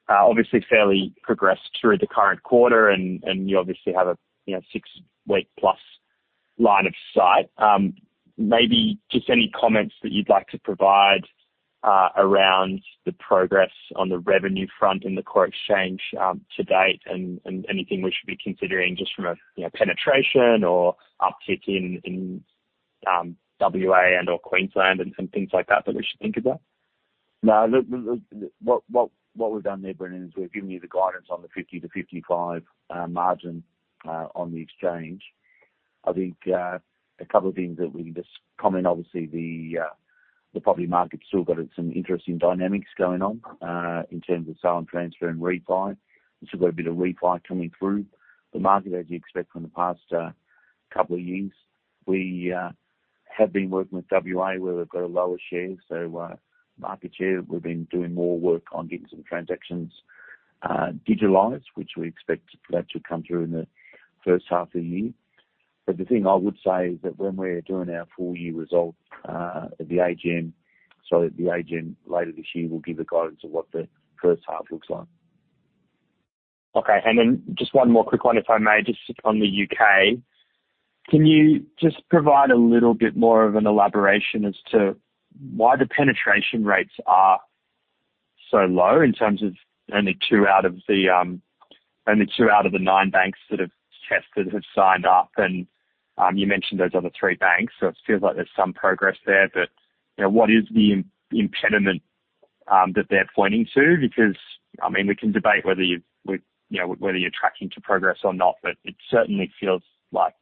obviously fairly progressed through the current quarter, and you obviously have a, you know, six-week-plus line of sight. Maybe just any comments that you'd like to provide, around the progress on the revenue front in the core exchange, to date, and anything we should be considering just from a, you know, penetration or uptick in WA and/or Queensland and things like that, that we should think about? No, look, what we've done there, Brendan, is we've given you the guidance on the 50%-55% margin on the exchange. I think a couple of things that we just comment, obviously, the property market still got some interesting dynamics going on in terms of sale and transfer and refi. We've still got a bit of refi coming through the market, as you expect from the past couple of years. We have been working with WA, where we've got a lower share, so market share. We've been doing more work on getting some transactions digitalized, which we expect that to come through in the first half of the year. The thing I would say is that when we're doing our full year results at the AGM, so at the AGM later this year, we'll give a guidance of what the first half looks like. Okay. And then just one more quick one, if I may, just on the U.K. Can you just provide a little bit more of an elaboration as to why the penetration rates are so low in terms of only two out of the nine banks that have tested have signed up? And you mentioned those other three banks, so it feels like there's some progress there. But, you know, what is the impediment that they're pointing to? Because, I mean, we can debate whether you've, you know, whether you're tracking to progress or not, but it certainly feels like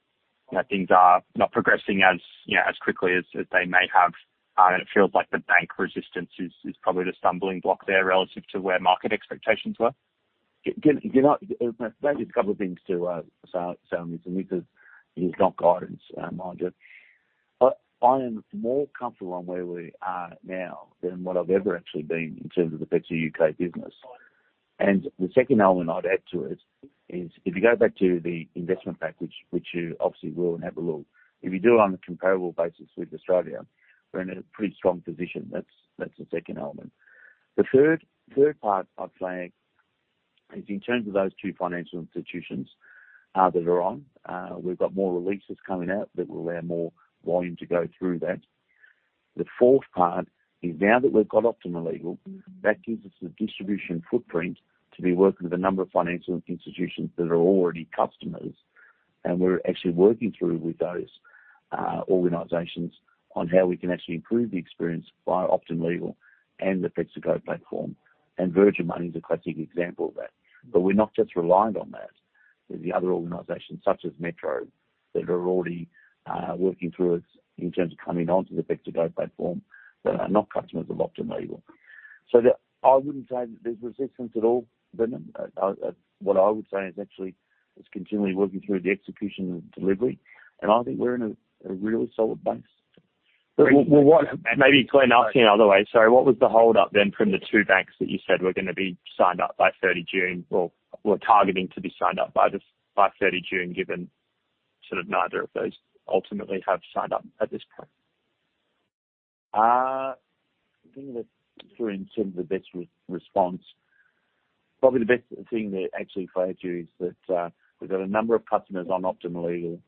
that things are not progressing as, you know, as quickly as, as they may have. And it feels like the bank resistance is probably the stumbling block there relative to where market expectations were. You know, maybe a couple of things to say on this, and this is not guidance, mind you. I am more comfortable on where we are now than what I've ever actually been in terms of the PEXA UK business. And the second element I'd add to it is if you go back to the investment package, which you obviously will, and have a look. If you do it on a comparable basis with Australia, we're in a pretty strong position. That's the second element. The third part I'd flag is in terms of those two financial institutions that are on, we've got more releases coming out that will allow more volume to go through that. The fourth part is now that we've got Optima Legal, that gives us the distribution footprint to be working with a number of financial institutions that are already customers, and we're actually working through with those organizations on how we can actually improve the experience via Optima Legal and the PEXA Go platform. And Virgin Money is a classic example of that. But we're not just reliant on that. There's the other organizations, such as Metro, that are already working through us in terms of coming onto the PEXA Go platform, that are not customers of Optima Legal. So I wouldn't say that there's resistance at all, Brendan. I what I would say is actually it's continually working through the execution and delivery, and I think we're in a really solid place. Well, well, maybe Glenn, asking the other way. Sorry, what was the hold up then from the two banks that you said were going to be signed up by 30 June or were targeting to be signed up by this, by 30 June, given sort of neither of those ultimately have signed up at this point? Let me think through in terms of the best response. Probably the best thing to actually flag you is that, we've got a number of customers on Optima Legal,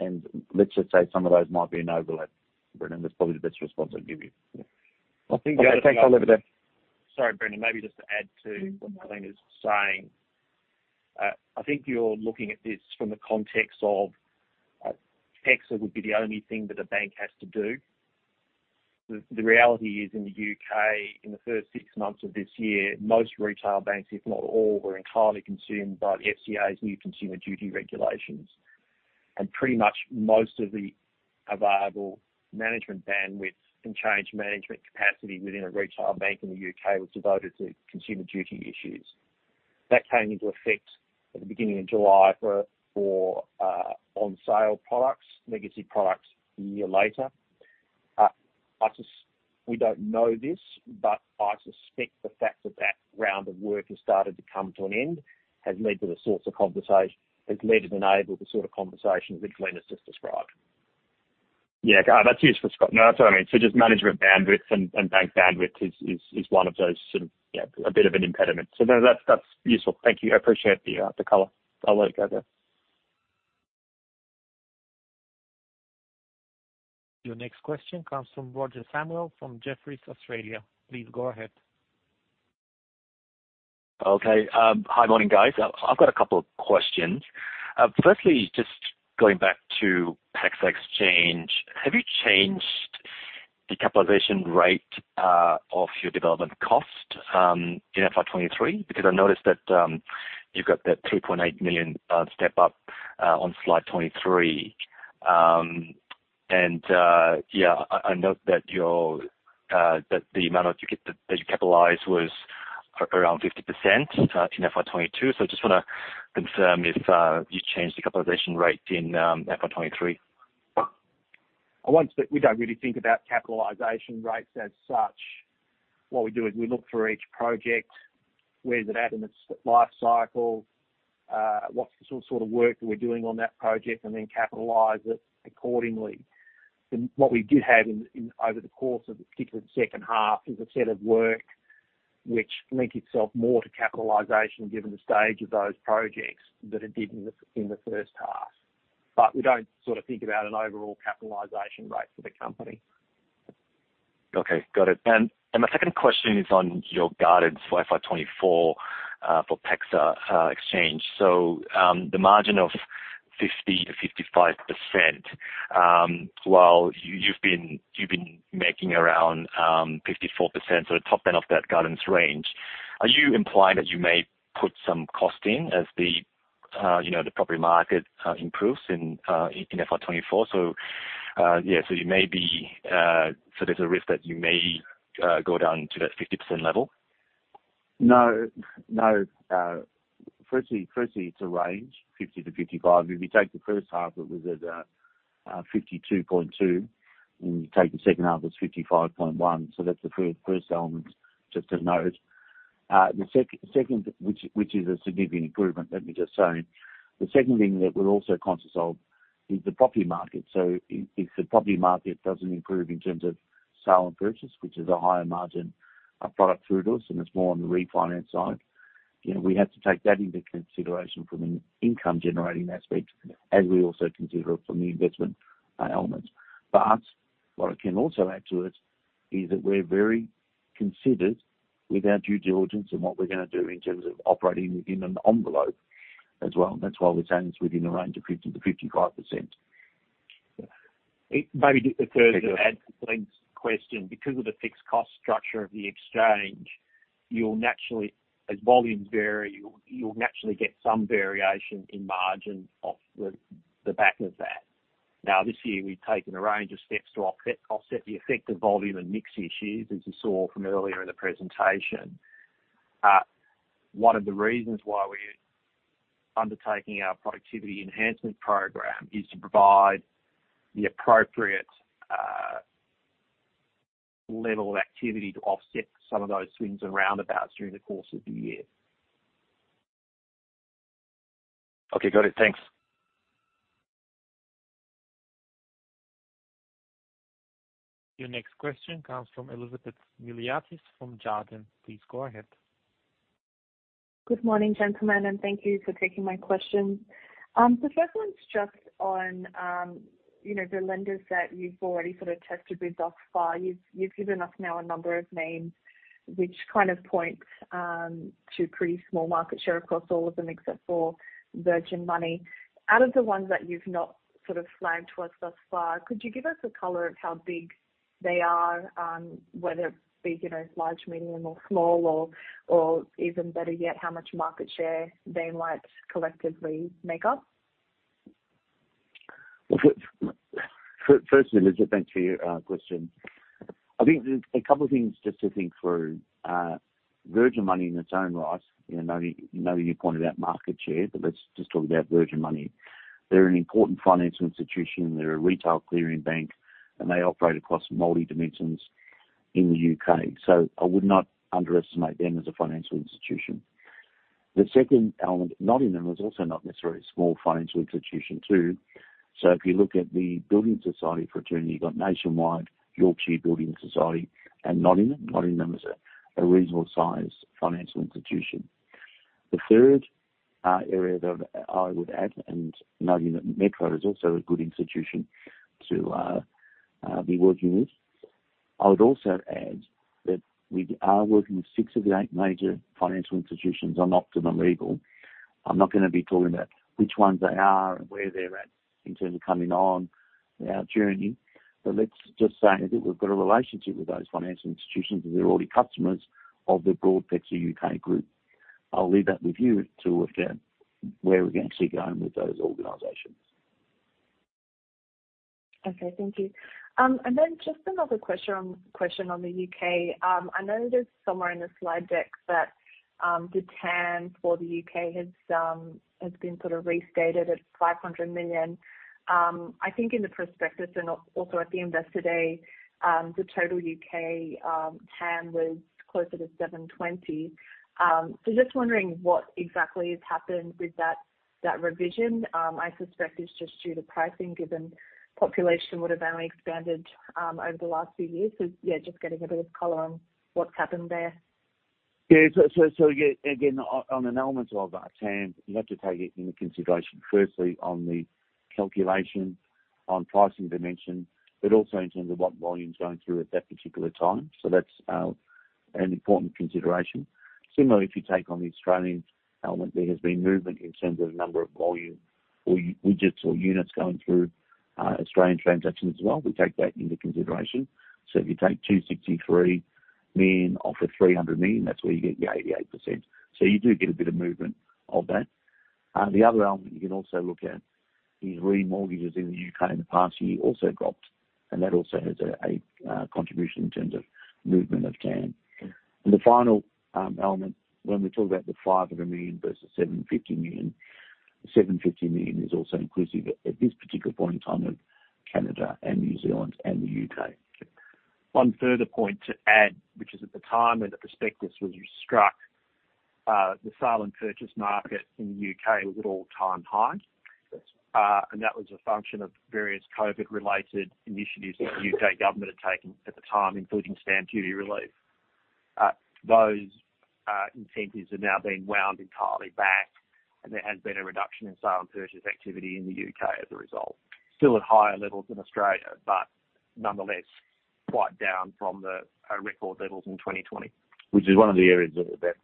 and let's just say some of those might be an overlap. Brendan, that's probably the best response I can give you. Okay, thanks. I'll leave it there. Sorry, Brendan, maybe just to add to what Glenn is saying. I think you're looking at this from the context of PEXA would be the only thing that a bank has to do. The reality is, in the U.K., in the first six months of this year, most retail banks, if not all, were entirely consumed by the FCA's new Consumer Duty regulations. And pretty much most of the available management bandwidth and change management capacity within a retail bank in the U.K. was devoted to Consumer Duty issues. That came into effect at the beginning of July for on-sale products, legacy products, a year later. We don't know this, but I suspect the fact that round of work has started to come to an end has led to the sorts of conversations, has led and enabled the sort of conversations that Glenn has just described. Yeah, got it. That's useful, Scott. No, that's what I mean. So just management bandwidth and bank bandwidth is one of those sort of, you know, a bit of an impediment. So no, that's useful. Thank you. I appreciate the color. I'll let you go there. Your next question comes from Roger Samuel, from Jefferies Australia. Please go ahead. Okay, hi, morning, guys. I've got a couple of questions. Firstly, just going back to PEXA Exchange, have you changed the capitalization rate of your development cost in FY 2023? Because I noticed that you've got that 3.8 million step up on slide 23. And yeah, I note that the amount that you capitalized was around 50% in FY 2022. So just want to confirm if you changed the capitalization rate in FY 2023. We don't really think about capitalization rates as such. What we do is we look for each project, where's it at in its lifecycle, what's the sort of work that we're doing on that project, and then capitalize it accordingly. But what we did have in over the course of the particular second half is a set of work which lent itself more to capitalization, given the stage of those projects, than it did in the first half. But we don't sort of think about an overall capitalization rate for the company. Okay, got it. And, my second question is on your guidance for FY 2024, for PEXA Exchange. So, the margin of 50%-55%, while you've been, you've been making around, 54%, so top end of that guidance range, are you implying that you may put some cost in as the, you know, the property market, improves in, in FY 2024? So, yeah, so you may be, so there's a risk that you may, go down to that 50% level? No, no. Firstly, firstly, it's a range, 50%-55%. If you take the first half, it was at 52.2%, and you take the second half, it's 55.1%. So that's the first element, just to note. The second, which is a significant improvement, let me just say. The second thing that we're also conscious of is the property market. So if the property market doesn't improve in terms of sale and purchase, which is a higher margin of product through to us, and it's more on the refinance side, you know, we have to take that into consideration from an income generating aspect, as we also consider it from the investment elements. But what I can also add to it is that we're very considered with our due diligence and what we're going to do in terms of operating within an envelope as well. That's why we're saying it's within a range of 50%-55%. It may be just occurs to add to Glenn's question, because of the fixed cost structure of the exchange, you'll naturally, as volumes vary, you'll naturally get some variation in margin off the back of that. Now, this year, we've taken a range of steps to offset the effect of volume and mix issues, as you saw from earlier in the presentation. One of the reasons why we're undertaking our productivity enhancement program is to provide the appropriate level of activity to offset some of those swings and roundabouts during the course of the year. Okay, got it. Thanks. Your next question comes from Elizabeth Miliatis from Jarden. Please go ahead. Good morning, gentlemen, and thank you for taking my question. The first one's just on, you know, the lenders that you've already sort of tested with thus far. You've, you've given us now a number of names, which kind of points to pretty small market share, of course, all of them except for Virgin Money. Out of the ones that you've not sort of flagged to us thus far, could you give us a color of how big they are, whether it be, you know, large, medium, or small, or, or even better yet, how much market share they might collectively make up? Well, first, Elizabeth, thanks for your question. I think there's a couple of things just to think through. Virgin Money in its own right, you know, knowing your point about market share, but let's just talk about Virgin Money. They're an important financial institution. They're a retail clearing bank, and they operate across multi dimensions in the U.K., so I would not underestimate them as a financial institution. The second element, not in them, is also not necessarily a small financial institution, too. So if you look at the Building Society fraternity, you've got Nationwide, Yorkshire Building Society, and Nottingham. Nottingham is a reasonable size financial institution. The third area that I would add, and knowing that Metro is also a good institution to be working with, I would also add that we are working with six of the eight major financial institutions on Optima Legal. I'm not going to be talking about which ones they are and where they're at in terms of coming on our journey, but let's just say that we've got a relationship with those financial institutions, and they're already customers of the broad PEXA UK group. I'll leave that with you to work out where we're going to be going with those organizations. Okay, thank you. And then just another question on the U.K. I know there's somewhere in the slide deck that the TAM for the U.K. has been sort of restated at 500 million. I think in the prospectus and also at the Investor Day, the total UK TAM was closer to 720 million. So just wondering what exactly has happened with that revision? I suspect it's just due to pricing, given population would have only expanded over the last few years. So, yeah, just getting a bit of color on what's happened there. Yeah. So again, on an element of our TAM, you have to take it into consideration, firstly, on the calculation, on pricing dimension, but also in terms of what volume is going through at that particular time. So that's an important consideration. Similarly, if you take on the Australian element, there has been movement in terms of the number of volume or widgets or units going through Australian transactions as well. We take that into consideration. So if you take 263 million off the 300 million, that's where you get your 88%. So you do get a bit of movement of that. The other element you can also look at is remortgages in the U.K. in the past year also dropped, and that also has a contribution in terms of movement of TAM. The final element, when we talk about the 500 million versus 750 million, 750 million is also inclusive at this particular point in time of Canada and New Zealand and the U.K. One further point to add, which is at the time when the prospectus was struck, the sale and purchase market in the U.K. was at all-time high. Yes. That was a function of various COVID-related initiatives that the U.K. government had taken at the time, including stamp duty relief. Those incentives are now being wound entirely back, and there has been a reduction in sale and purchase activity in the U.K. as a result. Still at higher levels than Australia, but nonetheless quite down from the record levels in 2020. Which is one of the areas that,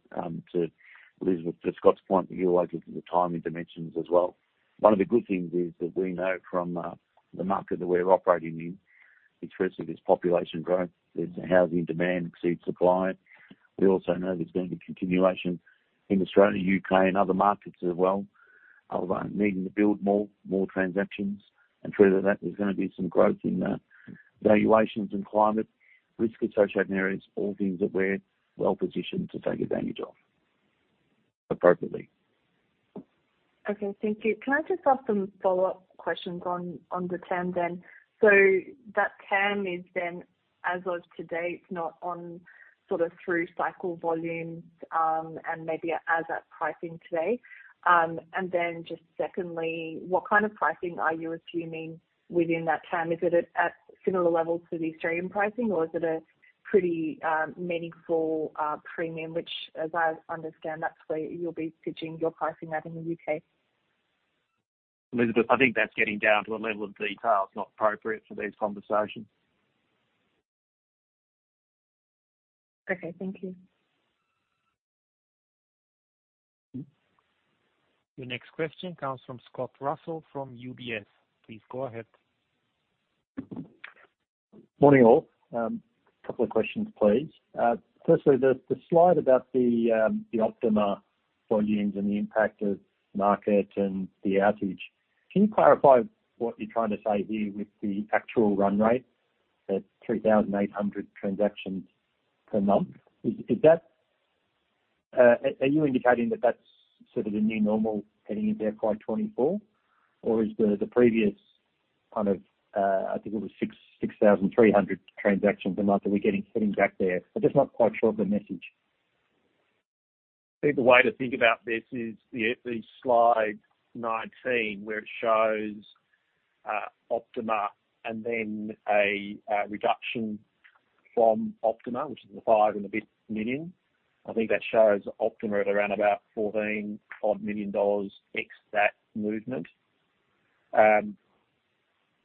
to Elizabeth, to Scott's point, he related to the timing dimensions as well. One of the good things is that we know from the market that we're operating in, it's firstly, there's population growth, there's a housing demand exceeds supply. We also know there's going to be continuation in Australia, U.K., and other markets as well, needing to build more, more transactions, and through that, there's going to be some growth in valuations and climate risk associated areas, all things that we're well positioned to take advantage of appropriately. ...Okay, thank you. Can I just ask some follow-up questions on, on the TAM then? So that TAM is then as of to date, not on sort of through cycle volumes, and maybe as at pricing today. And then just secondly, what kind of pricing are you assuming within that TAM? Is it at, at similar levels to the Australian pricing, or is it a pretty meaningful premium, which, as I understand, that's where you'll be pitching your pricing at in the U.K.? Elizabeth, I think that's getting down to a level of detail that's not appropriate for these conversations. Okay, thank you. Your next question comes from Scott Russell, from UBS. Please go ahead. Morning, all. A couple of questions, please. Firstly, the slide about the Optima volumes and the impact of market and the outage. Can you clarify what you're trying to say here with the actual run rate at 3,800 transactions per month? Is that-- are you indicating that that's sort of the new normal heading into FY 2024, or is the previous kind of, I think it was 6,300 transactions a month that we're getting back there? I'm just not quite sure of the message. I think the way to think about this is the slide 19, where it shows Optima and then a reduction from Optima, which is the 5 million and a bit. I think that shows Optima at around about 14 million dollars ex that movement. That was,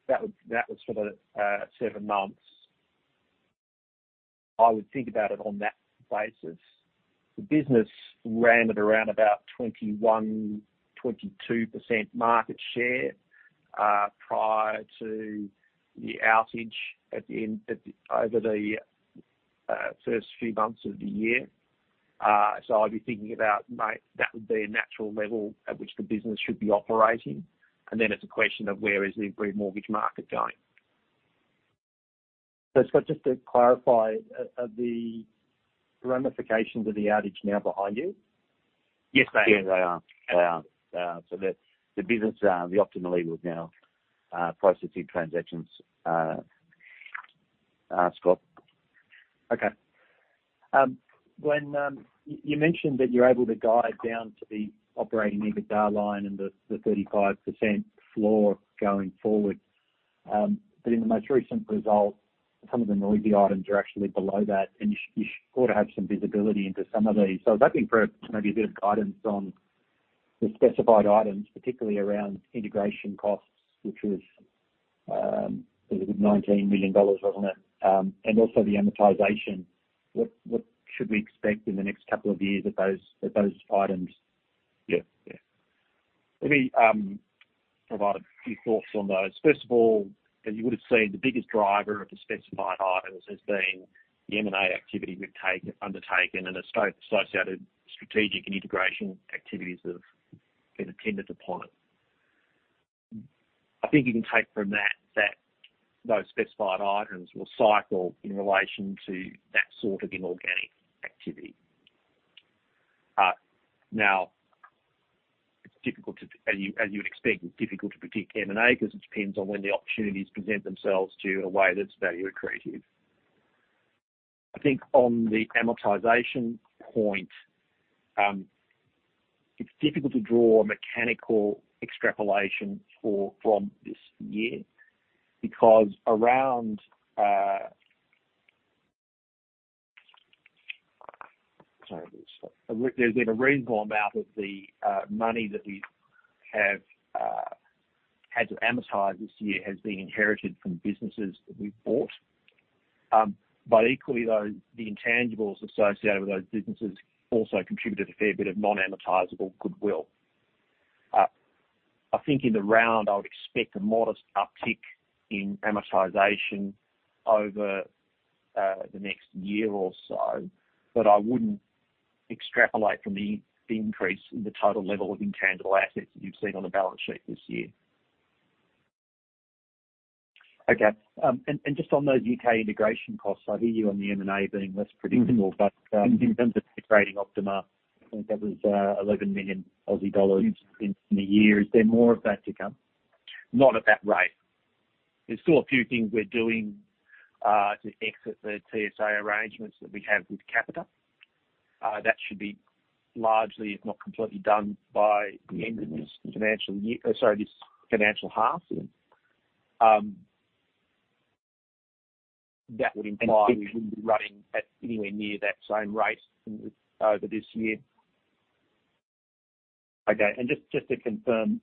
that was for the seven months. I would think about it on that basis. The business ran at around about 21%-22% market share prior to the outage at the end over the first few months of the year. So I'd be thinking about maybe that would be a natural level at which the business should be operating. And then it's a question of where is the agreed mortgage market going? So Scott, just to clarify, are the ramifications of the outage now behind you? Yes, they are. They are. So the business, the Optima is now processing transactions, Scott. Okay. When you mentioned that you're able to guide down to the operating EBITDA line and the 35% floor going forward. But in the most recent results, some of the noisy items are actually below that, and you should, you ought to have some visibility into some of these. So I was looking for maybe a bit of guidance on the specified items, particularly around integration costs, which was, it was 19 million dollars, wasn't it? And also the amortization. What, what should we expect in the next couple of years of those, of those items? Yeah. Yeah. Let me provide a few thoughts on those. First of all, as you would have seen, the biggest driver of the specified items has been the M&A activity we've undertaken, and associated strategic and integration activities that have been attended upon. I think you can take from that those specified items will cycle in relation to that sort of inorganic activity. Now, it's difficult to, as you, as you'd expect, it's difficult to predict M&A because it depends on when the opportunities present themselves to you in a way that's value accretive. I think on the amortization point, it's difficult to draw a mechanical extrapolation from this year because around. There's been a reasonable amount of the money that we have had to amortize this year has been inherited from businesses that we've bought. But equally, though, the intangibles associated with those businesses also contributed a fair bit of non-amortizable goodwill. I think in the round, I would expect a modest uptick in amortization over the next year or so, but I wouldn't extrapolate from the, the increase in the total level of intangible assets that you've seen on the balance sheet this year. Okay. And just on those U.K. integration costs, I hear you on the M&A being less predictable, but in terms of integrating Optima, I think that was 11 million Aussie dollars in a year. Is there more of that to come? Not at that rate. There's still a few things we're doing to exit the TSA arrangements that we have with Capita. That should be largely, if not completely done by the end of this financial year, sorry, this financial half year. That would imply. And we wouldn't be running at anywhere near that same rate over this year. Okay. And just to confirm,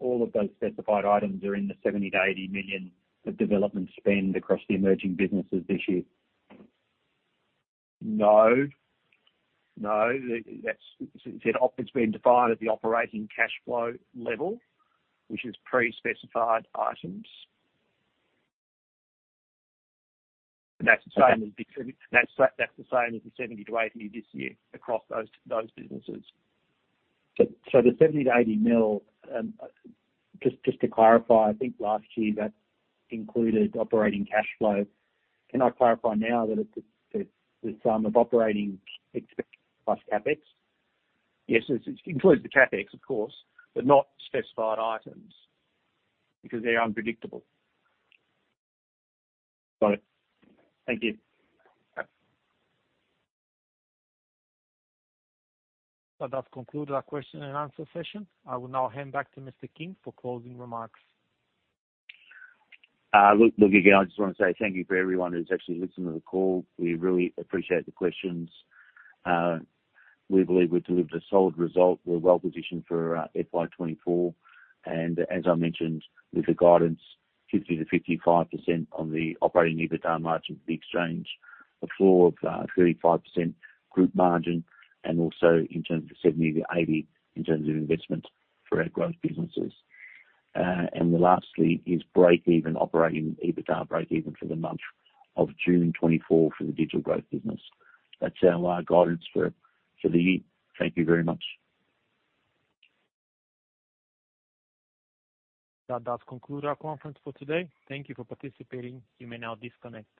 all of those specified items are in the 70 million-80 million of development spend across the emerging businesses this year? No. No, that's, it's, it's been defined at the operating cash flow level, which is pre-specified items. That's the same as the 70 million-80 million this year across those businesses. So the 70 million-80 million, just to clarify, I think last year that included operating cash flow. Can I clarify now that it's the sum of OpEx plus CapEx? Yes, it includes the CapEx, of course, but not specified items because they're unpredictable. Got it. Thank you. That concludes our question and answer session. I will now hand back to Mr. King for closing remarks. Look, look, again, I just want to say thank you to everyone who's actually listened to the call. We really appreciate the questions. We believe we've delivered a solid result. We're well positioned for FY 2024. And as I mentioned, with the guidance, 50%-55% on the operating EBITDA margin, the exchange, a floor of 35% group margin, and also in terms of 70 million-80 million, in terms of investment for our growth businesses. And then lastly, is breakeven operating EBITDA breakeven for the month of June 2024 for the digital growth business. That's our guidance for the year. Thank you very much. That does conclude our conference for today. Thank you for participating. You may now disconnect.